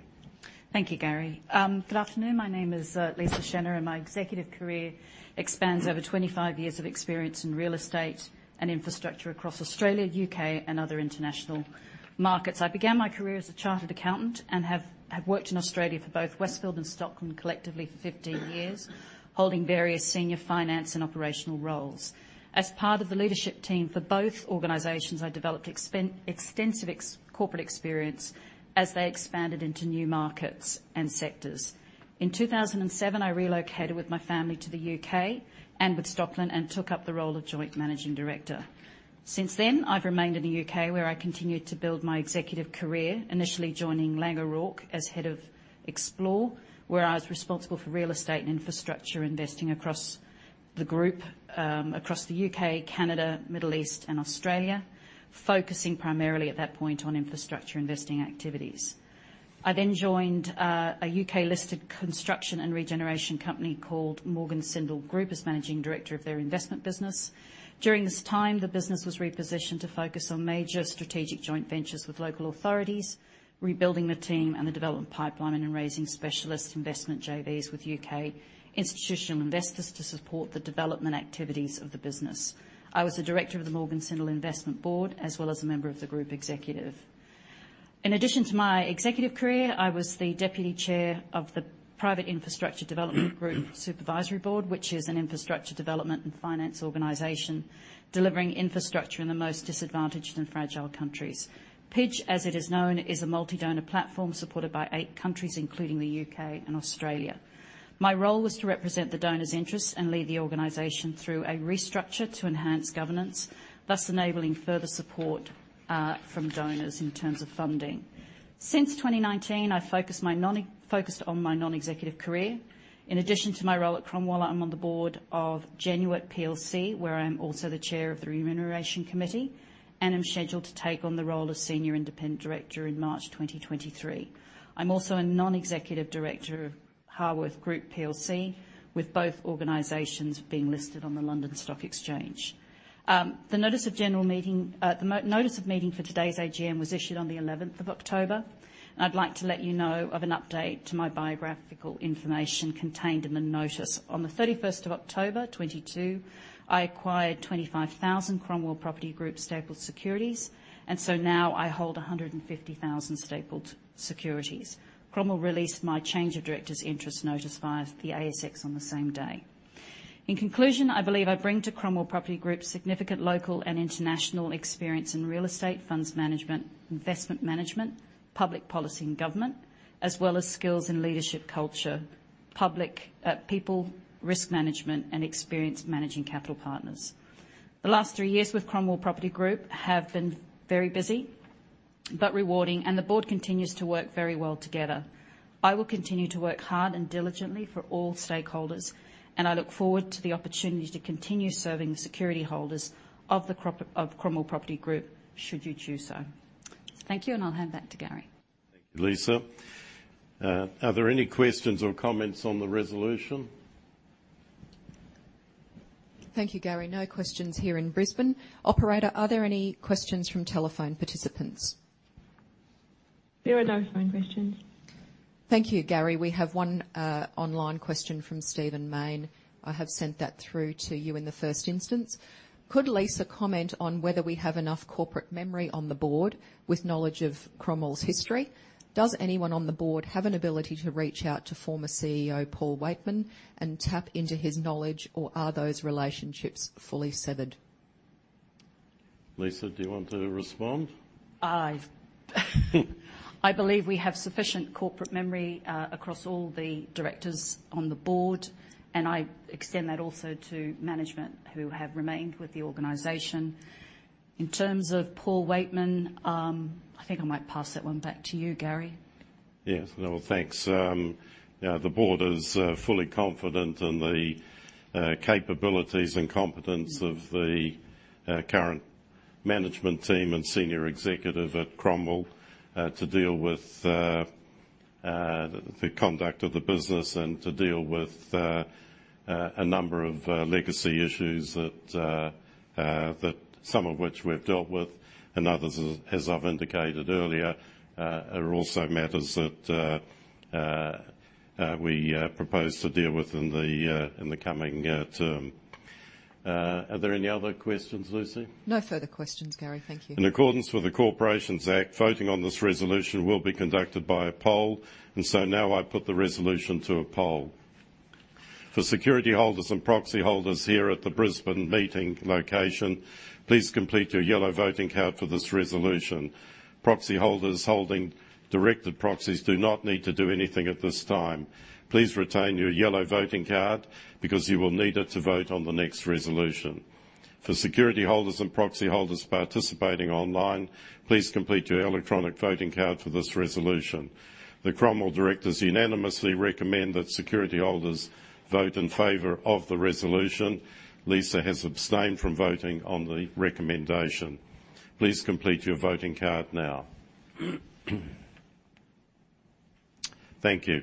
[SPEAKER 9] Thank you, Gary. Good afternoon. My name is Lisa Scenna, and my executive career expands over 25 years of experience in real estate and infrastructure across Australia, U.K., and other international markets. I began my career as a chartered accountant and have worked in Australia for both Westfield and Stockland, collectively for 15 years, holding various senior finance and operational roles. As part of the leadership team for both organizations, I developed extensive corporate experience as they expanded into new markets and sectors. In 2007, I relocated with my family to the U.K. with Stockland and took up the role of joint managing director. Since then, I've remained in the U.K., where I continued to build my executive career, initially joining Laing O'Rourke as head of Explore, where I was responsible for real estate and infrastructure investing across the group, across the U.K., Canada, Middle East, and Australia, focusing primarily at that point on infrastructure investing activities. I then joined a UK-listed construction and regeneration company called Morgan Sindall Group as managing director of their investment business. During this time, the business was repositioned to focus on major strategic joint ventures with local authorities, rebuilding the team and the development pipeline, and then raising specialist investment JVs with UK. .Institutional investors to support the development activities of the business. I was a director of the Morgan Sindall Group investment board, as well as a member of the group executive. In addition to my executive career, I was the deputy chair of the Private Infrastructure Development Group Supervisory Board, which is an infrastructure development and finance organization delivering infrastructure in the most disadvantaged and fragile countries. PIDG, as it is known, is a multi-donor platform supported by eight countries, including the U.K. and Australia. My role was to represent the donors' interests and lead the organization through a restructure to enhance governance, thus enabling further support from donors in terms of funding. Since 2019, I focused on my non-executive career. In addition to my role at Cromwell, I'm on the board of Genuit Group plc, where I'm also the chair of the Remuneration Committee, and I'm scheduled to take on the role of senior independent director in March 2023. I'm also a non-executive director of Harworth Group plc, with both organizations being listed on the London Stock Exchange. The notice of meeting for today's AGM was issued on the 11th of October. I'd like to let you know of an update to my biographical information contained in the notice. On the 31st of October 2022, I acquired 25,000 Cromwell Property Group stapled securities, and so now I hold 150,000 stapled securities. Cromwell released my change of directors' interest notice via the ASX on the same day. In conclusion, I believe I bring to Cromwell Property Group significant local and international experience in real estate, funds management, investment management, public policy and government, as well as skills in leadership culture, public, people, risk management, and experience managing capital partners. The last three years with Cromwell Property Group have been very busy but rewarding, and the board continues to work very well together. I will continue to work hard and diligently for all stakeholders, and I look forward to the opportunity to continue serving the security holders of Cromwell Property Group, should you choose so. Thank you, and I'll hand back to Gary.
[SPEAKER 1] Thank you, Lisa. Are there any questions or comments on the resolution?
[SPEAKER 3] Thank you, Gary. No questions here in Brisbane. Operator, are there any questions from telephone participants?
[SPEAKER 4] There are no phone questions.
[SPEAKER 3] Thank you, Gary. We have one online question from Steven Main. I have sent that through to you in the first instance. Could Lisa comment on whether we have enough corporate memory on the board with knowledge of Cromwell's history? Does anyone on the board have an ability to reach out to former CEO Paul Weightman and tap into his knowledge, or are those relationships fully severed?
[SPEAKER 1] Lisa, do you want to respond?
[SPEAKER 9] I believe we have sufficient corporate memory, across all the directors on the board, and I extend that also to management who have remained with the organization. In terms of Paul Weightman, I think I might pass that one back to you, Gary.
[SPEAKER 1] Yes. No. Thanks. Yeah, the Board is fully confident in the capabilities and competence of the current management team and senior executive at Cromwell to deal with the conduct of the business and to deal with a number of legacy issues that some of which we've dealt with and others, as I've indicated earlier, are also matters that we propose to deal with in the coming term. Are there any other questions, Lucy?
[SPEAKER 3] No further questions, Gary. Thank you.
[SPEAKER 1] In accordance with the Corporations Act, voting on this resolution will be conducted by a poll. Now I put the resolution to a poll. For security holders and proxy holders here at the Brisbane meeting location, please complete your yellow voting card for this resolution. Proxy holders holding directed proxies do not need to do anything at this time. Please retain your yellow voting card because you will need it to vote on the next resolution. For security holders and proxy holders participating online, please complete your electronic voting card for this resolution. The Cromwell directors unanimously recommend that security holders vote in favor of the resolution. Lisa has abstained from voting on the recommendation. Please complete your voting card now. Thank you.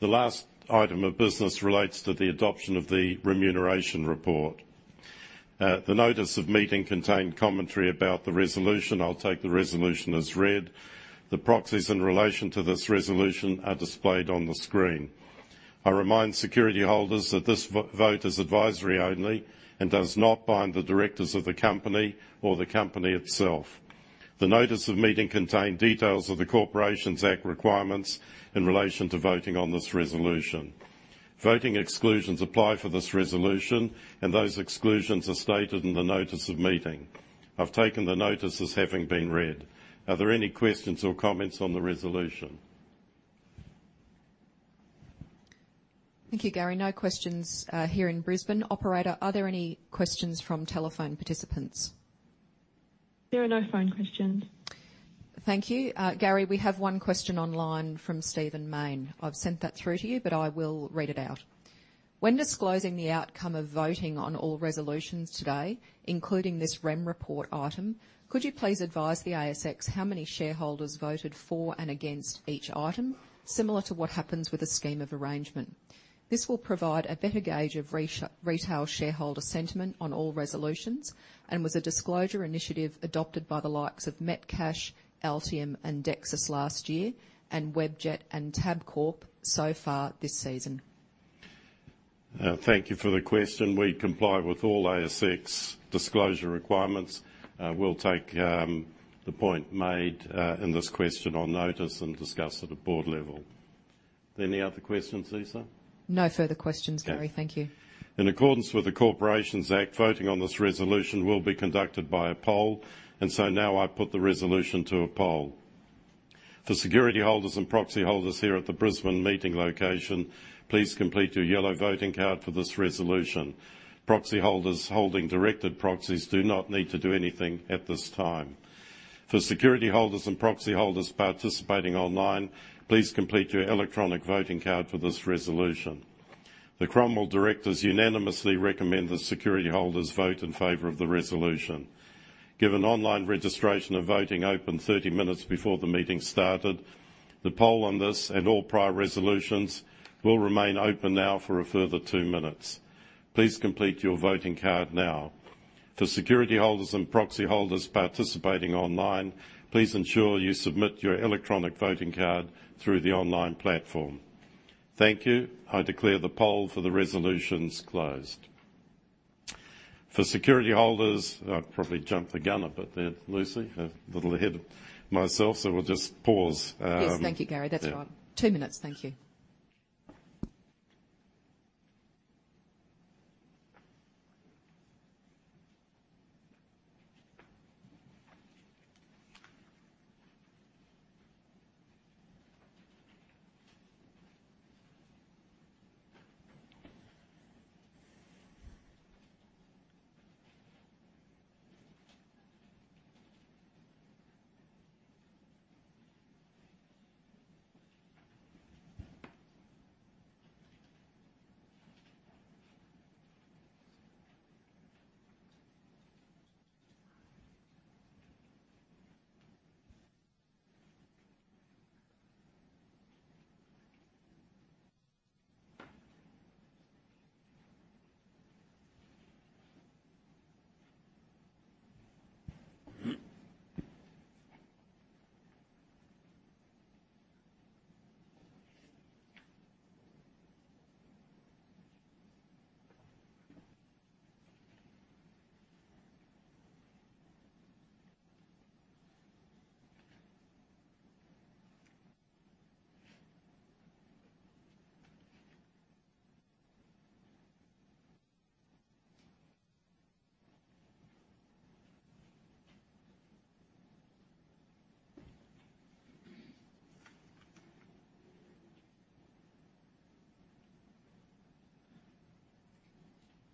[SPEAKER 1] The last item of business relates to the adoption of the remuneration report. The notice of meeting contained commentary about the resolution. I'll take the resolution as read. The proxies in relation to this resolution are displayed on the screen. I remind security holders that this vote is advisory only and does not bind the directors of the company or the company itself. The notice of meeting contained details of the Corporations Act requirements in relation to voting on this resolution. Voting exclusions apply for this resolution, and those exclusions are stated in the notice of meeting. I've taken the notices having been read. Are there any questions or comments on the resolution?
[SPEAKER 3] Thank you, Gary. No questions here in Brisbane. Operator, are there any questions from telephone participants?
[SPEAKER 4] There are no phone questions.
[SPEAKER 3] Thank you. Gary, we have one question online from Steven Main. I've sent that through to you, but I will read it out. When disclosing the outcome of voting on all resolutions today, including this remuneration report item, could you please advise the ASX how many shareholders voted for and against each item, similar to what happens with a scheme of arrangement? This will provide a better gauge of retail shareholder sentiment on all resolutions, and was a disclosure initiative adopted by the likes of Metcash, Altium, and Dexus last year, and Webjet and Tabcorp so far this season.
[SPEAKER 1] Thank you for the question. We comply with all ASX disclosure requirements. We'll take the point made in this question on notice and discuss at a board level. Are there any other questions, Lisa?
[SPEAKER 3] No further questions.
[SPEAKER 1] Okay.
[SPEAKER 3] Gary, thank you.
[SPEAKER 1] In accordance with the Corporations Act, voting on this resolution will be conducted by a poll, and so now I put the resolution to a poll. For securityholders and proxyholders here at the Brisbane meeting location, please complete your yellow voting card for this resolution. Proxyholders holding directed proxies do not need to do anything at this time. For securityholders and proxyholders participating online, please complete your electronic voting card for this resolution. The Cromwell directors unanimously recommend that securityholders vote in favor of the resolution. Given online registration of voting opened 30 minutes before the meeting started, the poll on this and all prior resolutions will remain open now for a further two minutes. Please complete your voting card now. For securityholders and proxyholders participating online, please ensure you submit your electronic voting card through the online platform. Thank you. I declare the poll for the resolutions closed. For securityholders, I've probably jumped the gun a bit there, Lucy. A little ahead of myself, so we'll just pause.
[SPEAKER 3] Yes. Thank you, Gary. That's fine.
[SPEAKER 1] Yeah.
[SPEAKER 3] Two minutes. Thank you.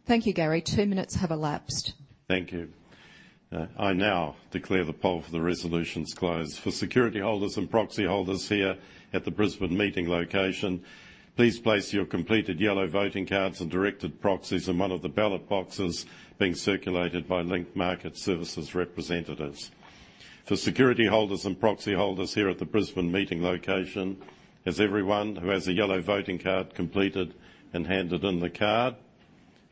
[SPEAKER 3] Thank you, Gary. Two minutes have elapsed.
[SPEAKER 1] Thank you. I now declare the poll for the resolutions closed. For securityholders and proxyholders here at the Brisbane meeting location, please place your completed yellow voting cards and directed proxies in one of the ballot boxes being circulated by Link Market Services representatives. For securityholders and proxyholders here at the Brisbane meeting location, has everyone who has a yellow voting card completed and handed in the card?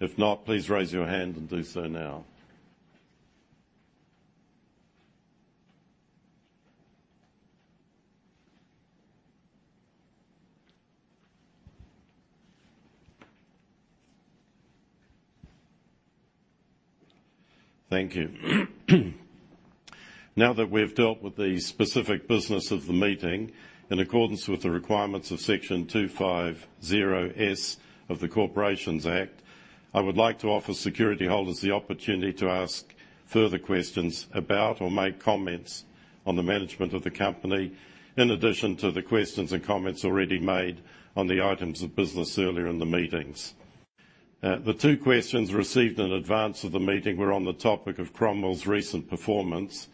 [SPEAKER 1] If not, please raise your hand and do so now. Thank you. Now that we've dealt with the specific business of the meeting, in accordance with the requirements of Section 250S of the Corporations Act, I would like to offer securityholders the opportunity to ask further questions about or make comments on the management of the company, in addition to the questions and comments already made on the items of business earlier in the meetings. The two questions received in advance of the meeting were on the topic of Cromwell's recent performance,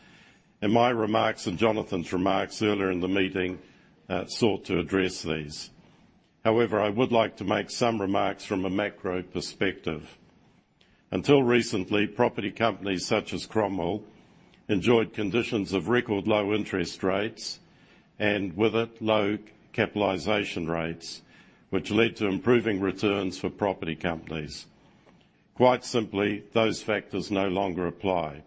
[SPEAKER 1] and my remarks and Jonathan's remarks earlier in the meeting sought to address these. However, I would like to make some remarks from a macro perspective. Until recently, property companies such as Cromwell enjoyed conditions of record low interest rates and, with it, low capitalization rates, which led to improving returns for property companies. Quite simply, those factors no longer apply.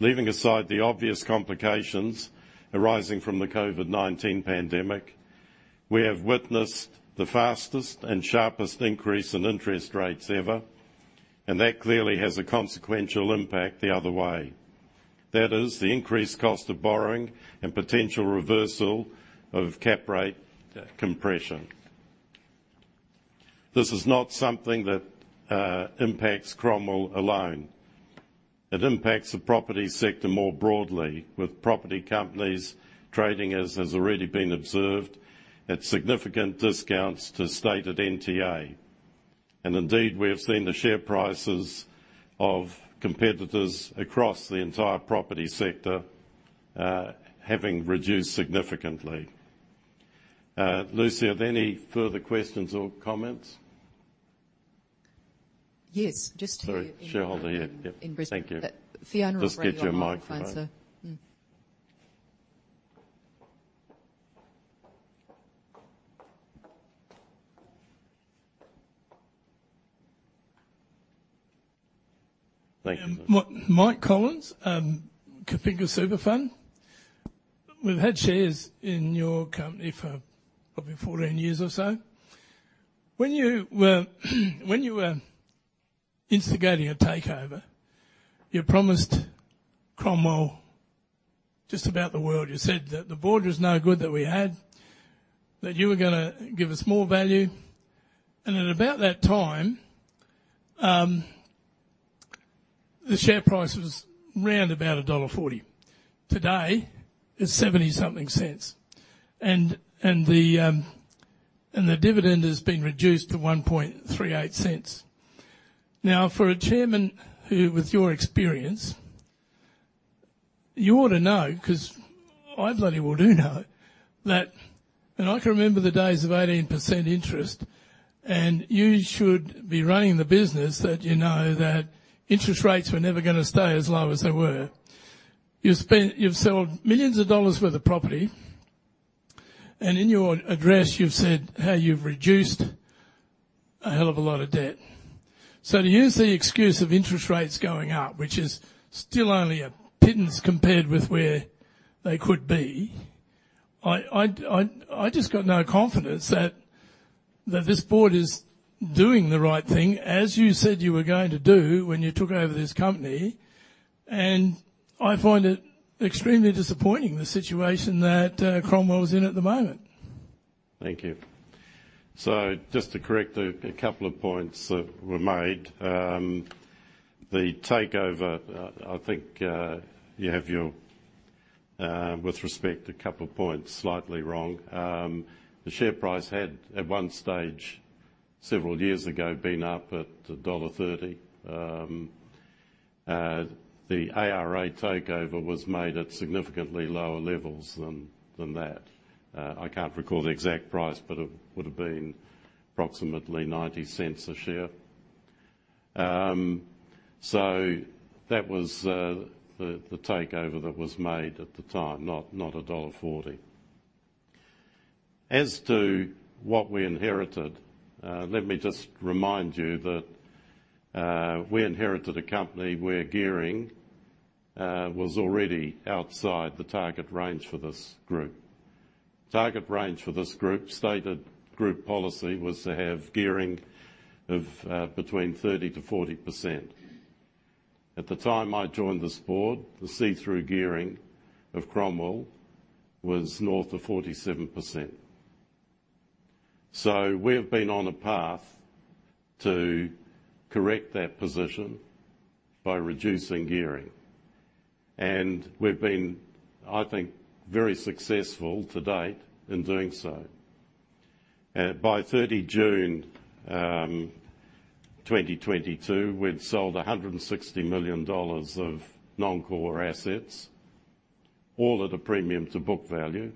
[SPEAKER 1] Leaving aside the obvious complications arising from the COVID-19 pandemic, we have witnessed the fastest and sharpest increase in interest rates ever, and that clearly has a consequential impact the other way. That is the increased cost of borrowing and potential reversal of cap rate compression. This is not something that impacts Cromwell alone. It impacts the property sector more broadly, with property companies trading, as has already been observed, at significant discounts to stated NTA. Indeed, we have seen the share prices of competitors across the entire property sector, having reduced significantly. Lucy, are there any further questions or comments?
[SPEAKER 3] Yes. Just here.
[SPEAKER 1] Sorry. Shareholder here. Yep.
[SPEAKER 3] In Brisbane.
[SPEAKER 1] Thank you.
[SPEAKER 4] Fiona
[SPEAKER 1] Just get your microphone.
[SPEAKER 4] So... Mm.
[SPEAKER 10] Mike Collins, Capica Superfund. We've had shares in your company for probably 14 years or so. When you were instigating a takeover, you promised Cromwell just about the world. You said that the board was no good that we had, that you were gonna give us more value. At about that time, the share price was round about dollar 1.40. Today, it's 70-something cents. The dividend has been reduced to 0.0138. Now, for a chairman who with your experience, you ought to know 'cause I bloody well do know that. I can remember the days of 18% interest, and you should be running the business that you know that interest rates were never gonna stay as low as they were. You've sold millions dollars worth of property, and in your address, you've said how you've reduced a hell of a lot of debt. To use the excuse of interest rates going up, which is still only a pittance compared with where they could be, I just got no confidence that this board is doing the right thing as you said you were going to do when you took over this company. I find it extremely disappointing the situation that Cromwell is in at the moment.
[SPEAKER 1] Thank you. Just to correct a couple of points that were made. The takeover, I think you have your, with respect, a couple of points slightly wrong. The share price had at one stage, several years ago, been up at dollar 1.30. The ARA takeover was made at significantly lower levels than that. I can't recall the exact price, but it would have been approximately 0.90 a share. That was the takeover that was made at the time, not dollar 1.40. As to what we inherited, let me just remind you that we inherited a company where gearing was already outside the target range for this group. Target range for this group stated group policy was to have gearing of between 30%-40%. At the time I joined this board, the see-through gearing of Cromwell was north of 47%. We have been on a path to correct that position by reducing gearing. We've been, I think, very successful to date in doing so. By 30 June 2022, we'd sold 160 million dollars of non-core assets, all at a premium to book value.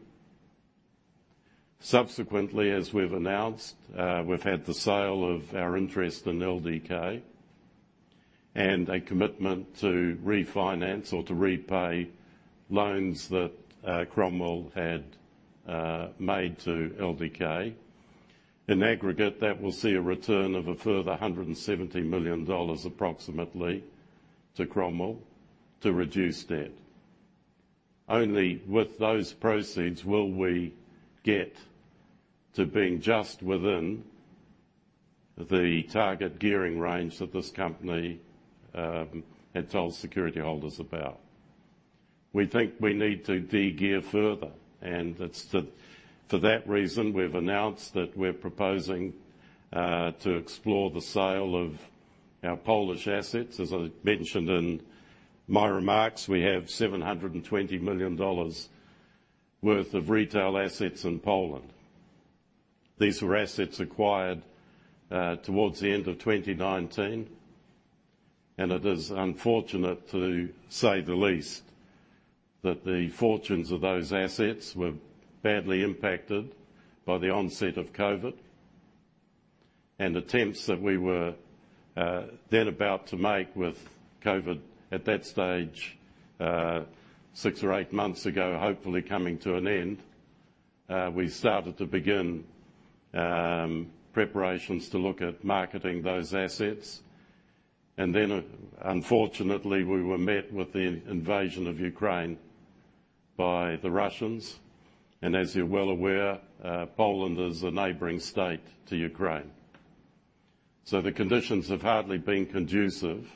[SPEAKER 1] Subsequently, as we've announced, we've had the sale of our interest in LDK, and a commitment to refinance or to repay loans that Cromwell had made to LDK. In aggregate, that will see a return of a further 170 million dollars, approximately, to Cromwell to reduce debt. Only with those proceeds will we get to being just within the target gearing range that this company had told security holders about. We think we need to de-gear further, and it's for that reason, we've announced that we're proposing to explore the sale of our Polish assets. As I mentioned in my remarks, we have 720 million dollars worth of retail assets in Poland. These were assets acquired towards the end of 2019, and it is unfortunate to say the least, that the fortunes of those assets were badly impacted by the onset of COVID. Attempts that we were then about to make with COVID at that stage six or eight months ago, hopefully coming to an end, we started to begin preparations to look at marketing those assets. Then unfortunately, we were met with the invasion of Ukraine by the Russians. As you're well aware, Poland is a neighboring state to Ukraine. The conditions have hardly been conducive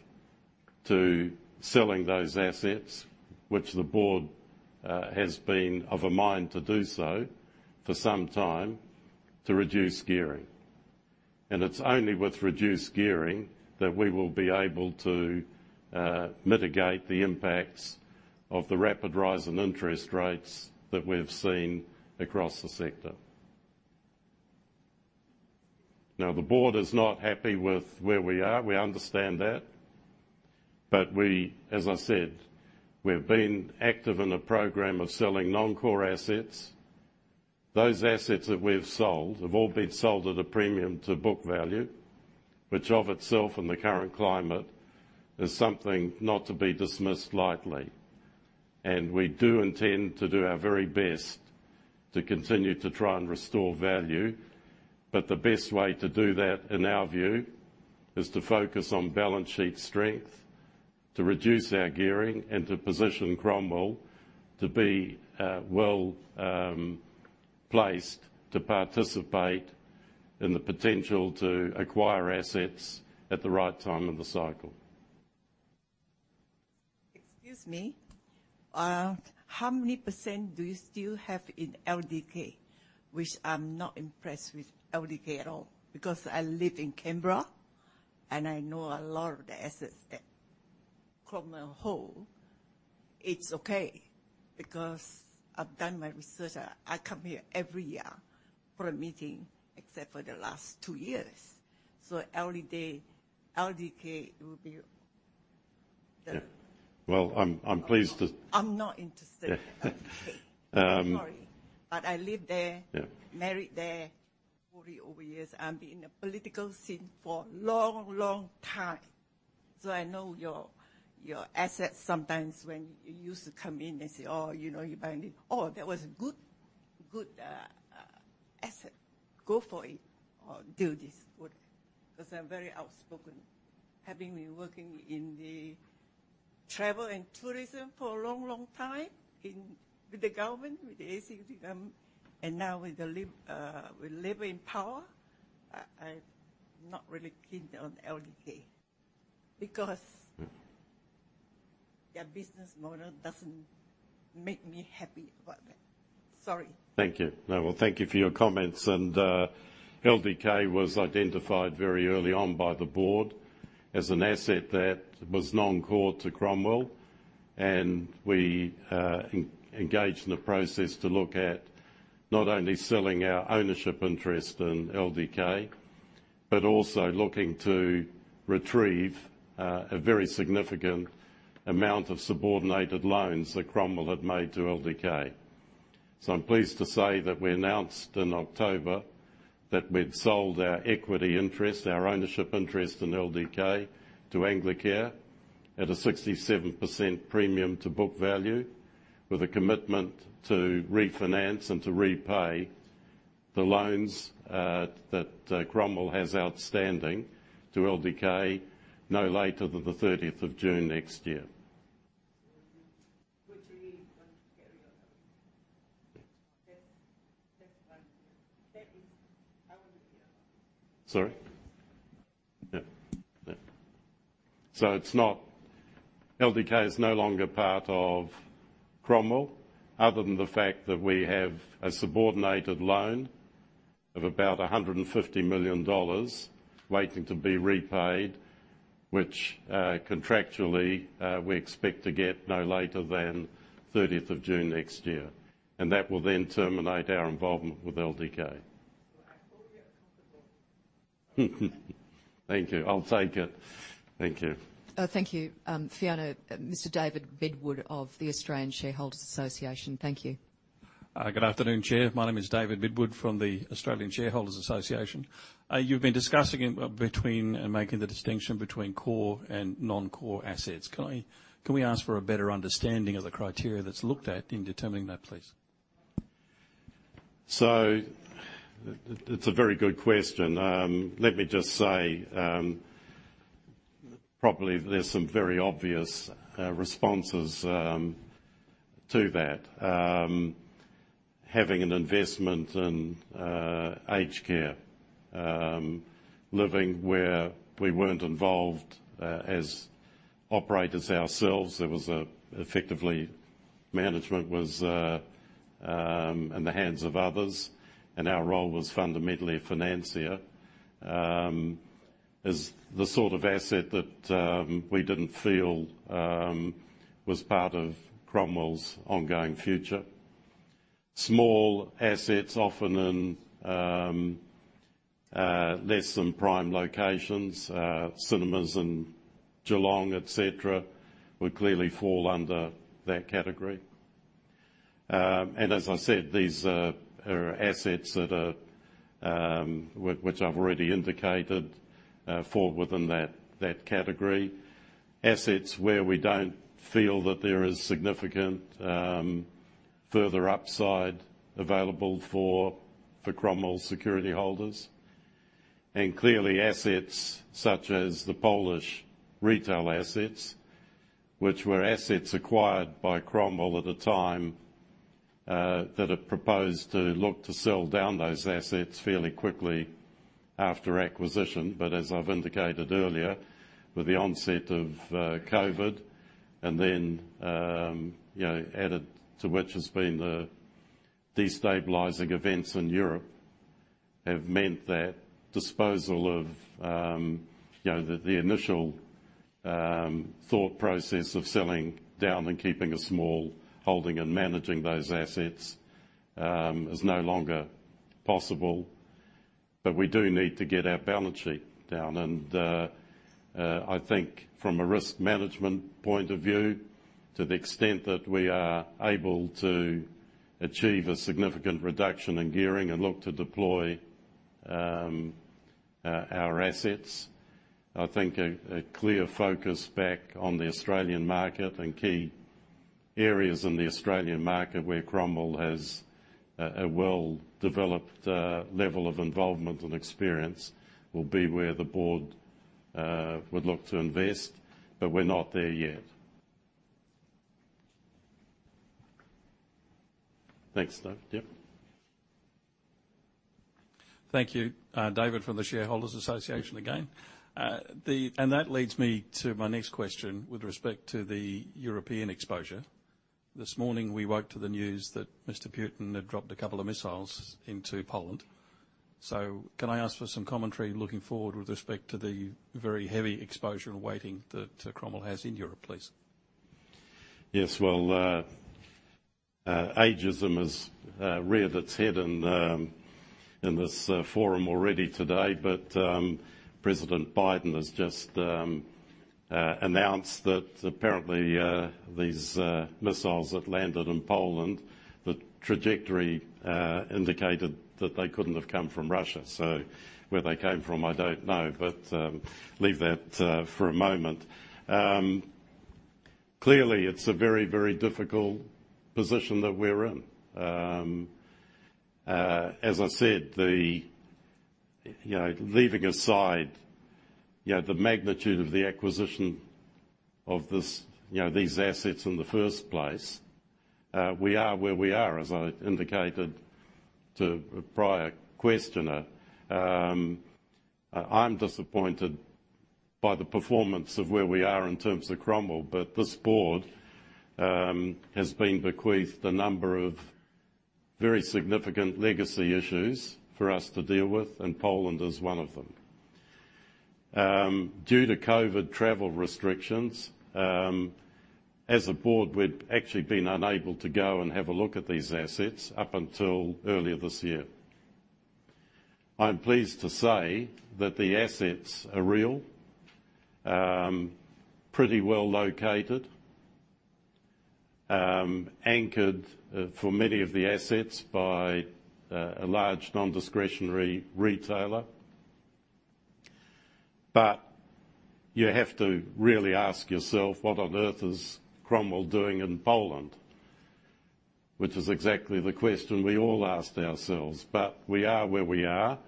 [SPEAKER 1] to selling those assets, which the board has been of a mind to do so for some time to reduce gearing. It's only with reduced gearing that we will be able to mitigate the impacts of the rapid rise in interest rates that we've seen across the sector. Now, the board is not happy with where we are. We understand that. We, as I said, we've been active in a program of selling non-core assets. Those assets that we've sold have all been sold at a premium to book value, which of itself in the current climate is something not to be dismissed lightly. We do intend to do our very best to continue to try and restore value. The best way to do that, in our view, is to focus on balance sheet strength, to reduce our gearing, and to position Cromwell to be placed to participate in the potential to acquire assets at the right time in the cycle.
[SPEAKER 11] Excuse me. How many % do you still have in LDK? I'm not impressed with LDK at all because I live in Canberra and I know a lot of the assets that Cromwell hold. It's okay, because I've done my research. I come here every year for a meeting except for the last two years. One day LDK will be the-
[SPEAKER 1] Yeah. Well, I'm pleased to-
[SPEAKER 11] I'm not interested in LDK.
[SPEAKER 1] Yeah.
[SPEAKER 11] Sorry. I live there.
[SPEAKER 1] Yeah.
[SPEAKER 11] Married there 40 over years. I've been in the political scene for long, long time, so I know your assets sometimes when you used to come in and say, "Oh, you know, you buying it." Oh, that was good asset. Go for it or do this. Whatever. 'Cause I'm very outspoken, having been working in the travel and tourism for a long, long time with the government, with the ACT government, and now with the Liberal in power. I'm not really keen on LDK because-
[SPEAKER 1] Mm.
[SPEAKER 11] Their business model doesn't make me happy about that. Sorry.
[SPEAKER 1] Thank you. No. Well, thank you for your comments. LDK was identified very early on by the board as an asset that was non-core to Cromwell, and we engaged in the process to look at not only selling our ownership interest in LDK, but also looking to retrieve a very significant amount of subordinated loans that Cromwell had made to LDK. I'm pleased to say that we announced in October that we'd sold our equity interest, our ownership interest in LDK, to Anglicare at a 67% premium to book value, with a commitment to refinance and to repay the loans that Cromwell has outstanding to LDK no later than the thirtieth of June next year.
[SPEAKER 11] Which means we want to carry on.
[SPEAKER 1] Yeah.
[SPEAKER 11] That's fine. That is how it would be.
[SPEAKER 1] Sorry? Yeah. Yeah. LDK is no longer part of Cromwell other than the fact that we have a subordinated loan of about 150 million dollars waiting to be repaid, which, contractually, we expect to get no later than thirtieth of June next year. That will then terminate our involvement with LDK.
[SPEAKER 11] I fully accept the loss.
[SPEAKER 1] Thank you. I'll take it. Thank you.
[SPEAKER 3] Thank you. Fiona, Mr. David Bidgood of the Australian Shareholders' Association. Thank you.
[SPEAKER 12] Good afternoon, Chair. My name is David Bidgood from the Australian Shareholders' Association. You've been discussing and making the distinction between core and non-core assets. Can we ask for a better understanding of the criteria that's looked at in determining that, please?
[SPEAKER 1] It's a very good question. Let me just say, probably there's some very obvious responses to that. Having an investment in aged care living where we weren't involved as operators ourselves. There was effectively management in the hands of others, and our role was fundamentally a financier. Is the sort of asset that we didn't feel was part of Cromwell's ongoing future. Small assets, often in less than prime locations, cinemas in Geelong, et cetera, would clearly fall under that category. As I said, these are assets which I've already indicated fall within that category. Assets where we don't feel that there is significant further upside available for Cromwell security holders. Clearly, assets such as the Polish retail assets, which were assets acquired by Cromwell at the time that are proposed to look to sell down those assets fairly quickly after acquisition. As I've indicated earlier, with the onset of COVID and then added to which has been the destabilizing events in Europe, have meant that disposal of the initial thought process of selling down and keeping a small holding and managing those assets is no longer possible. We do need to get our balance sheet down. I think from a risk management point of view, to the extent that we are able to achieve a significant reduction in gearing and look to deploy our assets. I think a clear focus back on the Australian market and key areas in the Australian market where Cromwell has a well-developed level of involvement and experience will be where the board would look to invest. But we're not there yet. Thanks, though. Yeah.
[SPEAKER 12] Thank you. David from the Shareholders Association again. That leads me to my next question with respect to the European exposure. This morning we woke to the news that Mr. Putin had dropped a couple of missiles into Poland. Can I ask for some commentary looking forward with respect to the very heavy exposure and weighting that Cromwell has in Europe, please?
[SPEAKER 1] Yes. Well, ageism has reared its head in this forum already today. President Biden has just announced that apparently these missiles that landed in Poland, the trajectory indicated that they couldn't have come from Russia. Where they came from, I don't know. Leave that for a moment. Clearly it's a very, very difficult position that we're in. As I said, you know, leaving aside, you know, the magnitude of the acquisition of these assets in the first place, we are where we are, as I indicated to a prior questioner. I'm disappointed by the performance of where we are in terms of Cromwell, but this board has been bequeathed a number of very significant legacy issues for us to deal with, and Poland is one of them. Due to COVID travel restrictions, as a board, we'd actually been unable to go and have a look at these assets up until earlier this year. I'm pleased to say that the assets are real. Pretty well located. Anchored for many of the assets by a large non-discretionary retailer. But you have to really ask yourself, "What on earth is Cromwell doing in Poland?" Which is exactly the question we all asked ourselves. We are where we are.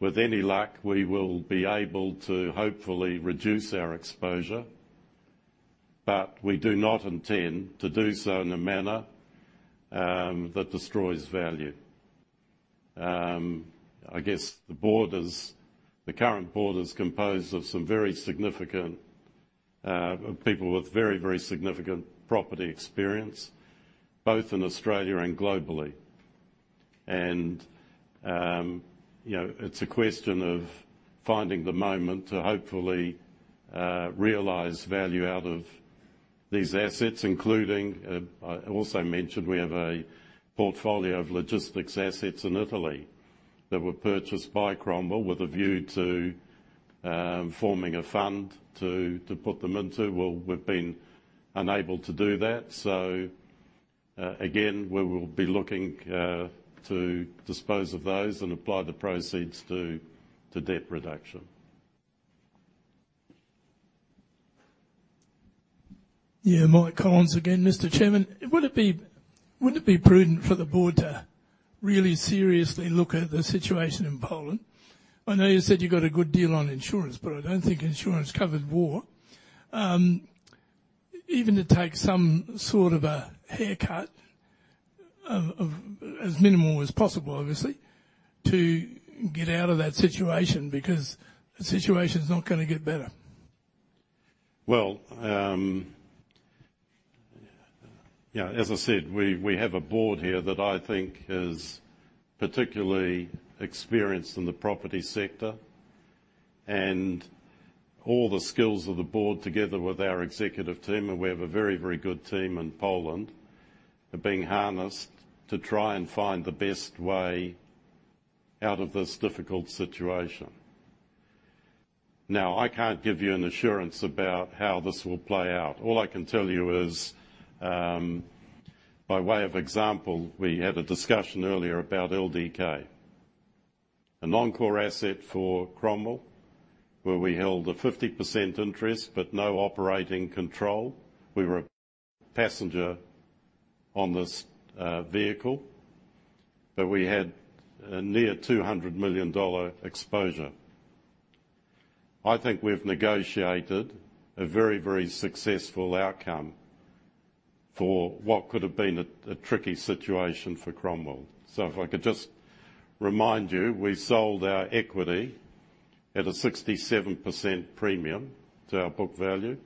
[SPEAKER 1] With any luck, we will be able to hopefully reduce our exposure. We do not intend to do so in a manner that destroys value. I guess the current board is composed of some very significant people with very, very significant property experience, both in Australia and globally. You know, it's a question of finding the moment to hopefully realize value out of these assets, including I also mentioned we have a portfolio of logistics assets in Italy that were purchased by Cromwell with a view to forming a fund to put them into. We've been unable to do that. Again, we will be looking to dispose of those and apply the proceeds to debt reduction.
[SPEAKER 10] Yeah. Mike Collins again, Mr. Chairman. Would it be, wouldn't it be prudent for the board to really seriously look at the situation in Poland? I know you said you got a good deal on insurance, but I don't think insurance covers war. Even to take some sort of a haircut of as minimal as possible, obviously, to get out of that situation, because the situation's not gonna get better.
[SPEAKER 1] Well, you know, as I said, we have a board here that I think is particularly experienced in the property sector. All the skills of the board together with our executive team, and we have a very, very good team in Poland, are being harnessed to try and find the best way out of this difficult situation. Now, I can't give you an assurance about how this will play out. All I can tell you is, by way of example, we had a discussion earlier about LDK. A non-core asset for Cromwell, where we held a 50% interest but no operating control. We were a passenger on this vehicle. But we had a near 200 million dollar exposure. I think we've negotiated a very, very successful outcome for what could have been a tricky situation for Cromwell. If I could just remind you, we sold our equity at a 67% premium to our book value.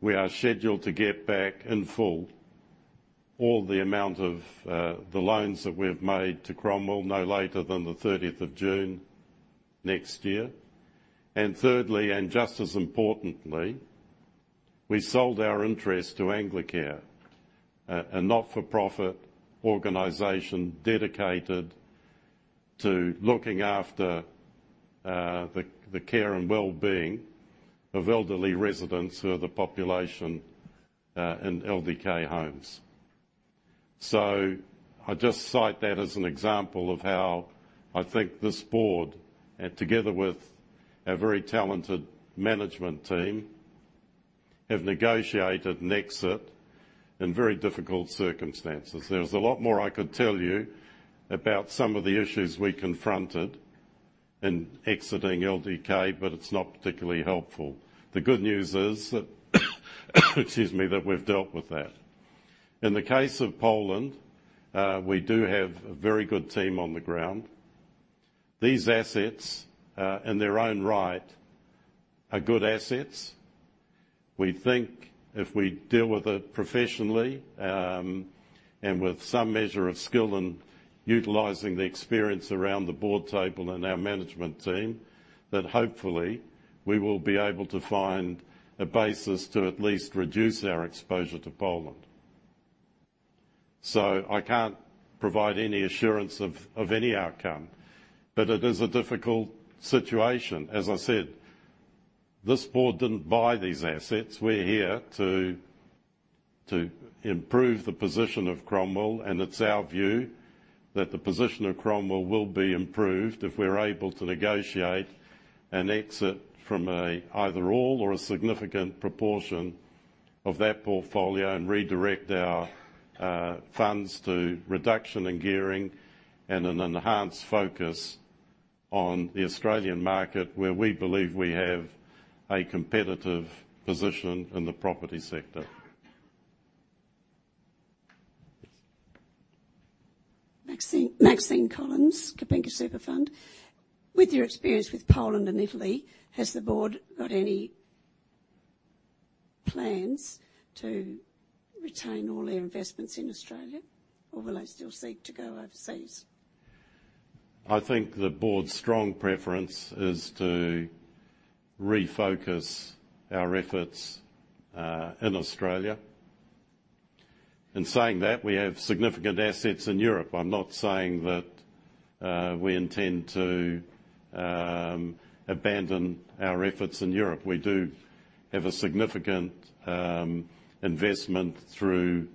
[SPEAKER 1] We are scheduled to get back in full all the amount of the loans that we've made to Cromwell, no later than the thirtieth of June next year. Thirdly, and just as importantly, we sold our interest to Anglicare, a not-for-profit organization dedicated to looking after the care and wellbeing of elderly residents who are the population in LDK homes. I just cite that as an example of how I think this board, and together with a very talented management team, have negotiated an exit in very difficult circumstances. There's a lot more I could tell you about some of the issues we confronted in exiting LDK, but it's not particularly helpful. The good news is that, excuse me, that we've dealt with that. In the case of Poland, we do have a very good team on the ground. These assets, in their own right, are good assets. We think if we deal with it professionally, and with some measure of skill in utilizing the experience around the board table and our management team, that hopefully we will be able to find a basis to at least reduce our exposure to Poland. I can't provide any assurance of any outcome, but it is a difficult situation. As I said, this board didn't buy these assets. We're here to improve the position of Cromwell, and it's our view that the position of Cromwell will be improved if we're able to negotiate an exit from either all or a significant proportion of that portfolio and redirect our funds to reduction in gearing and an enhanced focus on the Australian market, where we believe we have a competitive position in the property sector.
[SPEAKER 13] Maxine Collins, Kookaburra Super Fund. With your experience with Poland and Italy, has the board got any plans to retain all their investments in Australia or will they still seek to go overseas?
[SPEAKER 1] I think the board's strong preference is to refocus our efforts in Australia. In saying that, we have significant assets in Europe. I'm not saying that we intend to abandon our efforts in Europe. We do have a significant investment through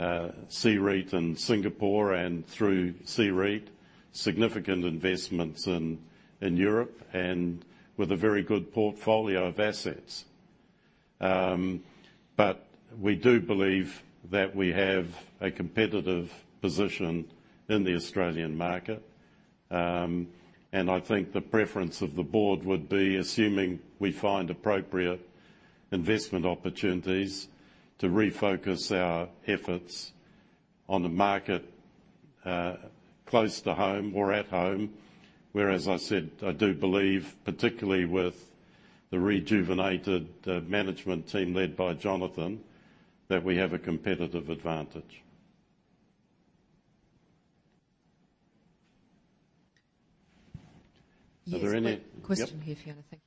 [SPEAKER 1] CEREIT in Singapore and through CEREIT, significant investments in Europe and with a very good portfolio of assets. We do believe that we have a competitive position in the Australian market. I think the preference of the board would be, assuming we find appropriate investment opportunities, to refocus our efforts on the market close to home or at home. Where, as I said, I do believe, particularly with the rejuvenated management team led by Jonathan, that we have a competitive advantage. Are there any-
[SPEAKER 4] Yes, we have a question here, Fiona. Thank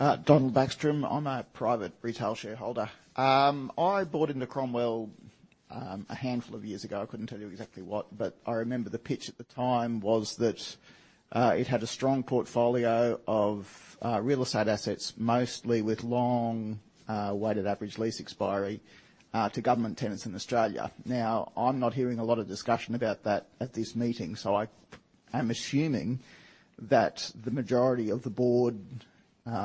[SPEAKER 4] you.
[SPEAKER 14] Donald Backstrom. I'm a private retail shareholder. I bought into Cromwell, a handful of years ago. I couldn't tell you exactly what, but I remember the pitch at the time was that it had a strong portfolio of real estate assets, mostly with long weighted average lease expiry to government tenants in Australia. Now, I'm not hearing a lot of discussion about that at this meeting, so I am assuming that the majority of the board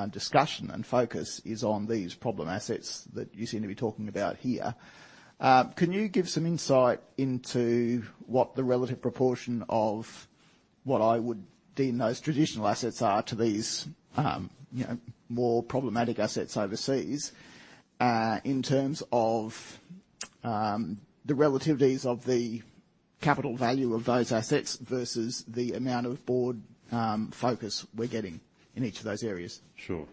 [SPEAKER 14] discussion and focus is on these problem assets that you seem to be talking about here. Can you give some insight into what the relative proportion of what I would deem those traditional assets are to these, you know, more problematic assets overseas, in terms of the relativities of the capital value of those assets versus the amount of board focus we're getting in each of those areas?
[SPEAKER 1] Sure.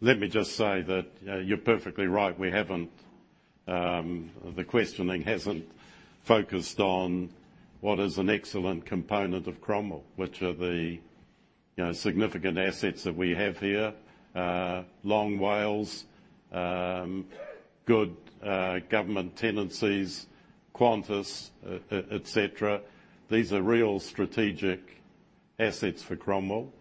[SPEAKER 1] Let me just say that you're perfectly right. We haven't. The questioning hasn't focused on what is an excellent component of Cromwell, which are the, you know, significant assets that we have here, long WALE, good government tenancies, Qantas, et cetera. These are real strategic assets for Cromwell.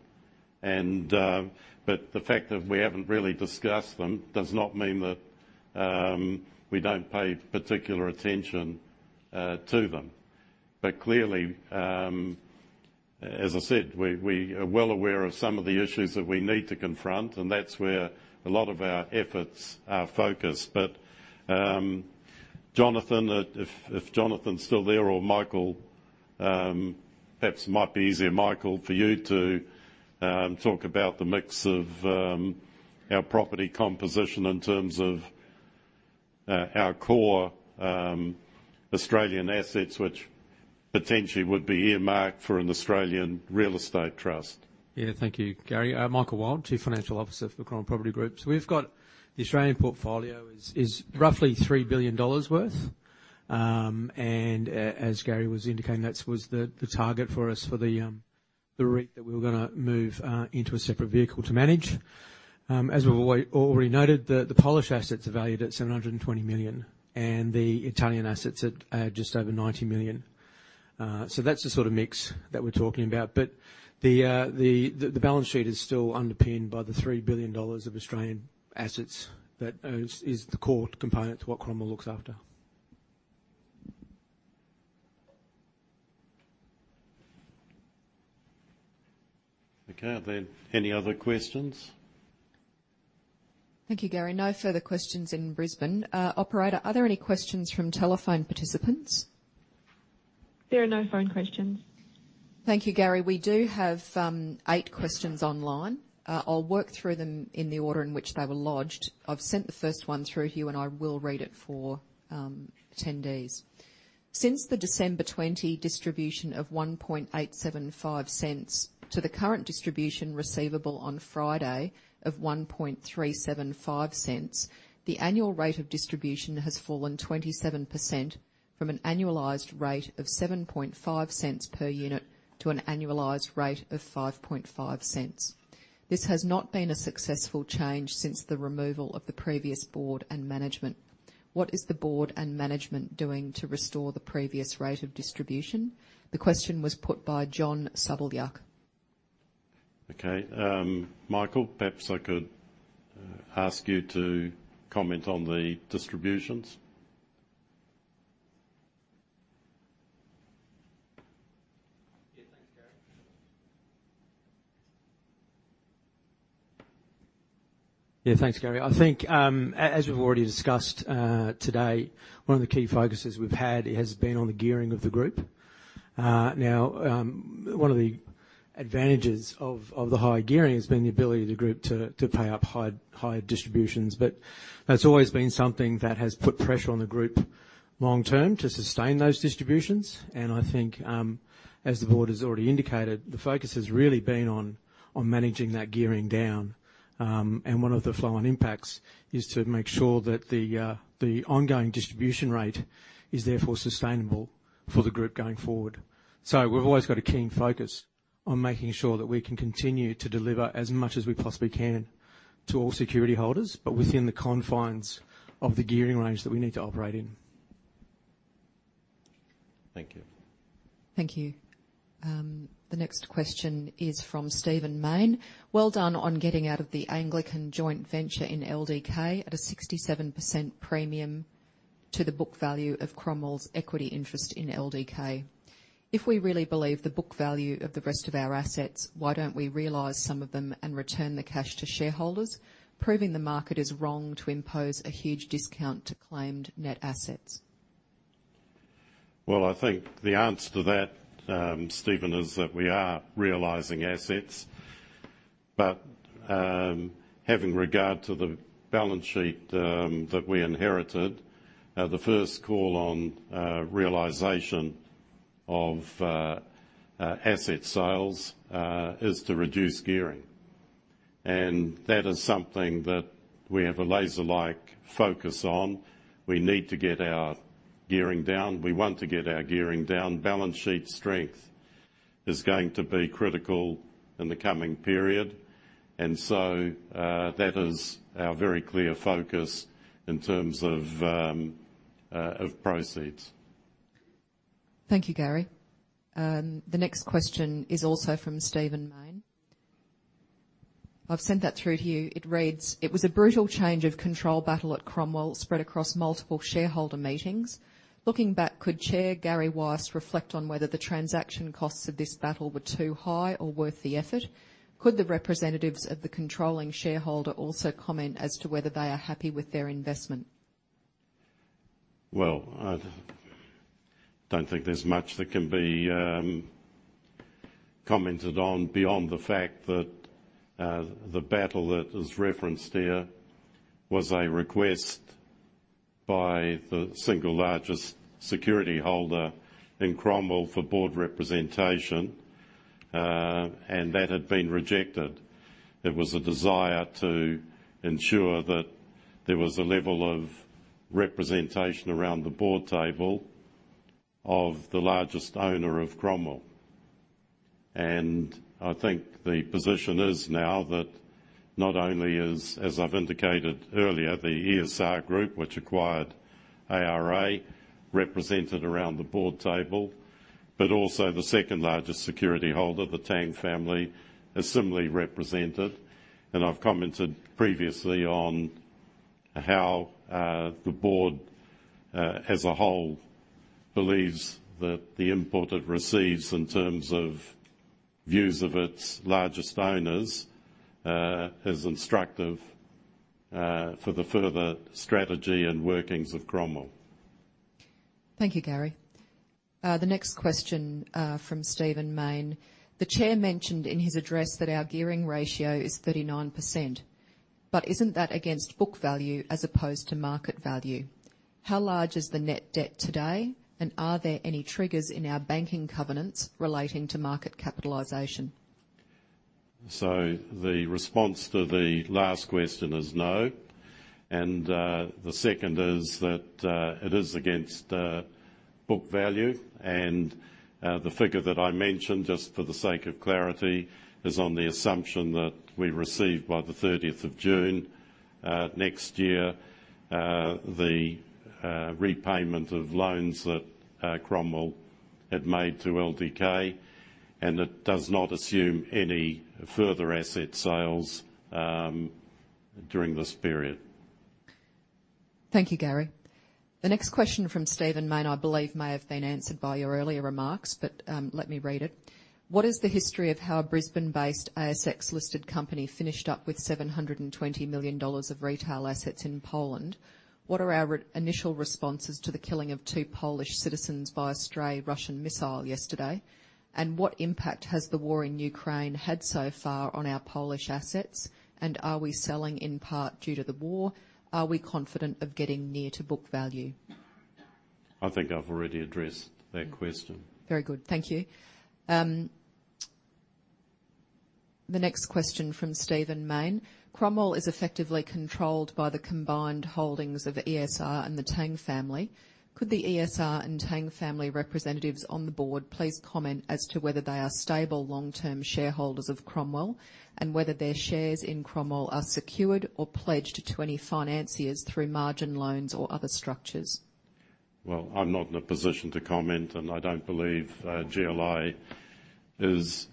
[SPEAKER 1] The fact that we haven't really discussed them does not mean that we don't pay particular attention to them. Clearly, as I said, we are well aware of some of the issues that we need to confront, and that's where a lot of our efforts are focused. Jonathan, if Jonathan's still there or Michael, perhaps it might be easier, Michael, for you to talk about the mix of our property composition in terms of our core Australian assets, which potentially would be earmarked for an Australian real estate trust.
[SPEAKER 15] Yeah. Thank you, Gary. I'm Michael Wilde, Chief Financial Officer for Cromwell Property Group. The Australian portfolio is roughly 3 billion dollars worth. As Gary was indicating, that was the target for us for the REIT that we were gonna move into a separate vehicle to manage. As we've already noted, the Polish assets are valued at 720 million and the Italian assets at just over 90 million. That's the sort of mix that we're talking about. The balance sheet is still underpinned by 3 billion dollars of Australian assets that is the core component to what Cromwell looks after.
[SPEAKER 1] Okay. Are there any other questions?
[SPEAKER 3] Thank you, Gary. No further questions in Brisbane. Operator, are there any questions from telephone participants?
[SPEAKER 4] There are no phone questions.
[SPEAKER 3] Thank you, Gary. We do have eight questions online. I'll work through them in the order in which they were lodged. I've sent the first one through to you, and I will read it for attendees. Since the December 20 distribution of 0.01875 to the current distribution receivable on Friday of 0.01375, the annual rate of distribution has fallen 27% from an annualized rate of 0.075 per unit to an annualized rate of 0.055. This has not been a successful change since the removal of the previous board and management. What is the board and management doing to restore the previous rate of distribution? The question was put by John Subaluk.
[SPEAKER 1] Michael, perhaps I could ask you to comment on the distributions.
[SPEAKER 15] Yeah. Thanks, Gary. I think, as we've already discussed, today, one of the key focuses we've had has been on the gearing of the group. Now, one of the advantages of the higher gearing has been the ability of the group to pay higher distributions. But that's always been something that has put pressure on the group long term to sustain those distributions. I think, as the board has already indicated, the focus has really been on managing that gearing down. One of the flow on impacts is to make sure that the ongoing distribution rate is therefore sustainable for the group going forward. We've always got a keen focus on making sure that we can continue to deliver as much as we possibly can to all security holders, but within the confines of the gearing range that we need to operate in.
[SPEAKER 1] Thank you.
[SPEAKER 3] Thank you. The next question is from Steven Main. Well done on getting out of the Anglicare joint venture in LDK at a 67% premium to the book value of Cromwell's equity interest in LDK. If we really believe the book value of the rest of our assets, why don't we realize some of them and return the cash to shareholders, proving the market is wrong to impose a huge discount to claimed net assets?
[SPEAKER 1] Well, I think the answer to that, Steven, is that we are realizing assets. Having regard to the balance sheet that we inherited, the first call on realization of asset sales is to reduce gearing. That is something that we have a laser-like focus on. We need to get our gearing down. We want to get our gearing down. Balance sheet strength is going to be critical in the coming period. That is our very clear focus in terms of proceeds.
[SPEAKER 3] Thank you, Gary. The next question is also from Steven Main. I've sent that through to you. It reads: It was a brutal change of control battle at Cromwell spread across multiple shareholder meetings. Looking back, could Chair Gary Weiss reflect on whether the transaction costs of this battle were too high or worth the effort? Could the representatives of the controlling shareholder also comment as to whether they are happy with their investment?
[SPEAKER 1] Well, I don't think there's much that can be commented on beyond the fact that the battle that is referenced here was a request by the single largest security holder in Cromwell for board representation and that had been rejected. It was a desire to ensure that there was a level of representation around the board table of the largest owner of Cromwell. I think the position is now that not only is, as I've indicated earlier, the ESR Group, which acquired ARA, represented around the board table, but also the second-largest security holder, the Tang family, is similarly represented. I've commented previously on how the board as a whole believes that the input it receives in terms of views of its largest owners is instructive for the further strategy and workings of Cromwell.
[SPEAKER 3] Thank you, Gary. The next question from Steven Main. The chair mentioned in his address that our gearing ratio is 39%. Isn't that against book value as opposed to market value? How large is the net debt today, and are there any triggers in our banking covenants relating to market capitalization?
[SPEAKER 1] The response to the last question is no. The second is that it is against book value. The figure that I mentioned, just for the sake of clarity, is on the assumption that we receive by the thirtieth of June next year the repayment of loans that Cromwell had made to LDK, and it does not assume any further asset sales during this period.
[SPEAKER 3] Thank you, Gary. The next question from Steven Main, I believe may have been answered by your earlier remarks, but, let me read it. What is the history of how a Brisbane-based ASX listed company finished up with 720 million dollars of retail assets in Poland? What are our initial responses to the killing of two Polish citizens by a stray Russian missile yesterday? And what impact has the war in Ukraine had so far on our Polish assets, and are we selling in part due to the war? Are we confident of getting near to book value?
[SPEAKER 1] I think I've already addressed that question.
[SPEAKER 3] Very good. Thank you. The next question from Steven Main. Cromwell is effectively controlled by the combined holdings of ESR and the Tang family. Could the ESR and Tang family representatives on the board please comment as to whether they are stable long-term shareholders of Cromwell, and whether their shares in Cromwell are secured or pledged to any financiers through margin loans or other structures?
[SPEAKER 1] Well, I'm not in a position to comment, and I don't believe GLI is.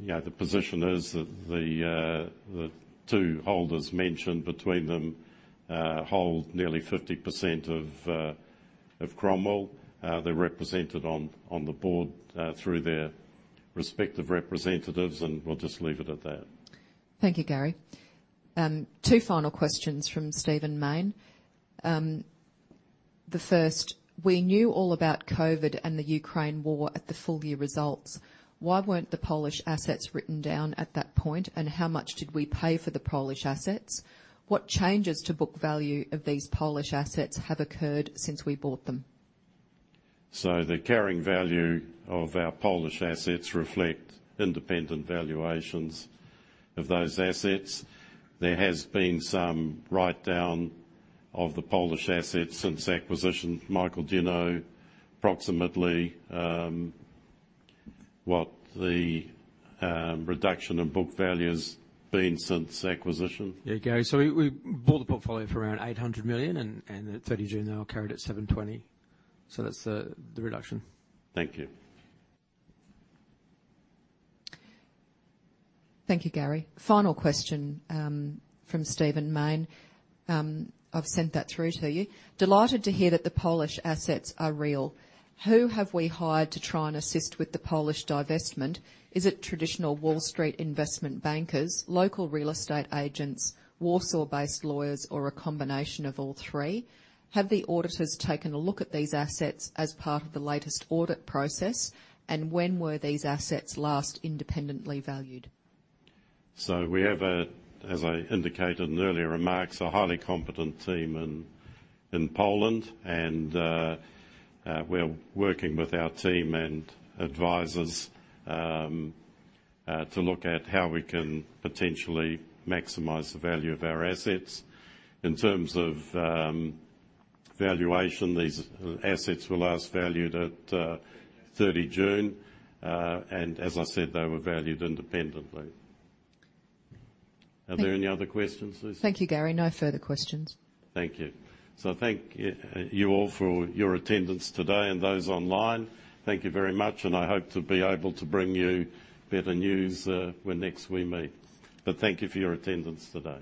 [SPEAKER 1] You know, the position is that the two holders mentioned between them hold nearly 50% of Cromwell. They're represented on the board through their respective representatives, and we'll just leave it at that.
[SPEAKER 3] Thank you, Gary. Two final questions from Steven Main. The first, we knew all about COVID and the Ukraine war at the full year results. Why weren't the Polish assets written down at that point, and how much did we pay for the Polish assets? What changes to book value of these Polish assets have occurred since we bought them?
[SPEAKER 1] The carrying value of our Polish assets reflect independent valuations of those assets. There has been some write-down of the Polish assets since acquisition. Michael, do you know approximately, what the, reduction in book value has been since acquisition?
[SPEAKER 15] Yeah, Gary. We bought the portfolio for around 800 million and at 30 June they were carried at 720 million. That's the reduction.
[SPEAKER 1] Thank you.
[SPEAKER 3] Thank you, Gary. Final question from Steven Main. I've sent that through to you. Delighted to hear that the Polish assets are real. Who have we hired to try and assist with the Polish divestment? Is it traditional Wall Street investment bankers, local real estate agents, Warsaw-based lawyers, or a combination of all three? Have the auditors taken a look at these assets as part of the latest audit process? And when were these assets last independently valued?
[SPEAKER 1] We have, as I indicated in earlier remarks, a highly competent team in Poland, and we're working with our team and advisors to look at how we can potentially maximize the value of our assets. In terms of valuation, these assets were last valued at 30 June. As I said, they were valued independently. Are there any other questions, Lucy?
[SPEAKER 3] Thank you, Gary. No further questions.
[SPEAKER 1] Thank you. Thank you all for your attendance today and those online. Thank you very much, and I hope to be able to bring you better news, when next we meet. Thank you for your attendance today.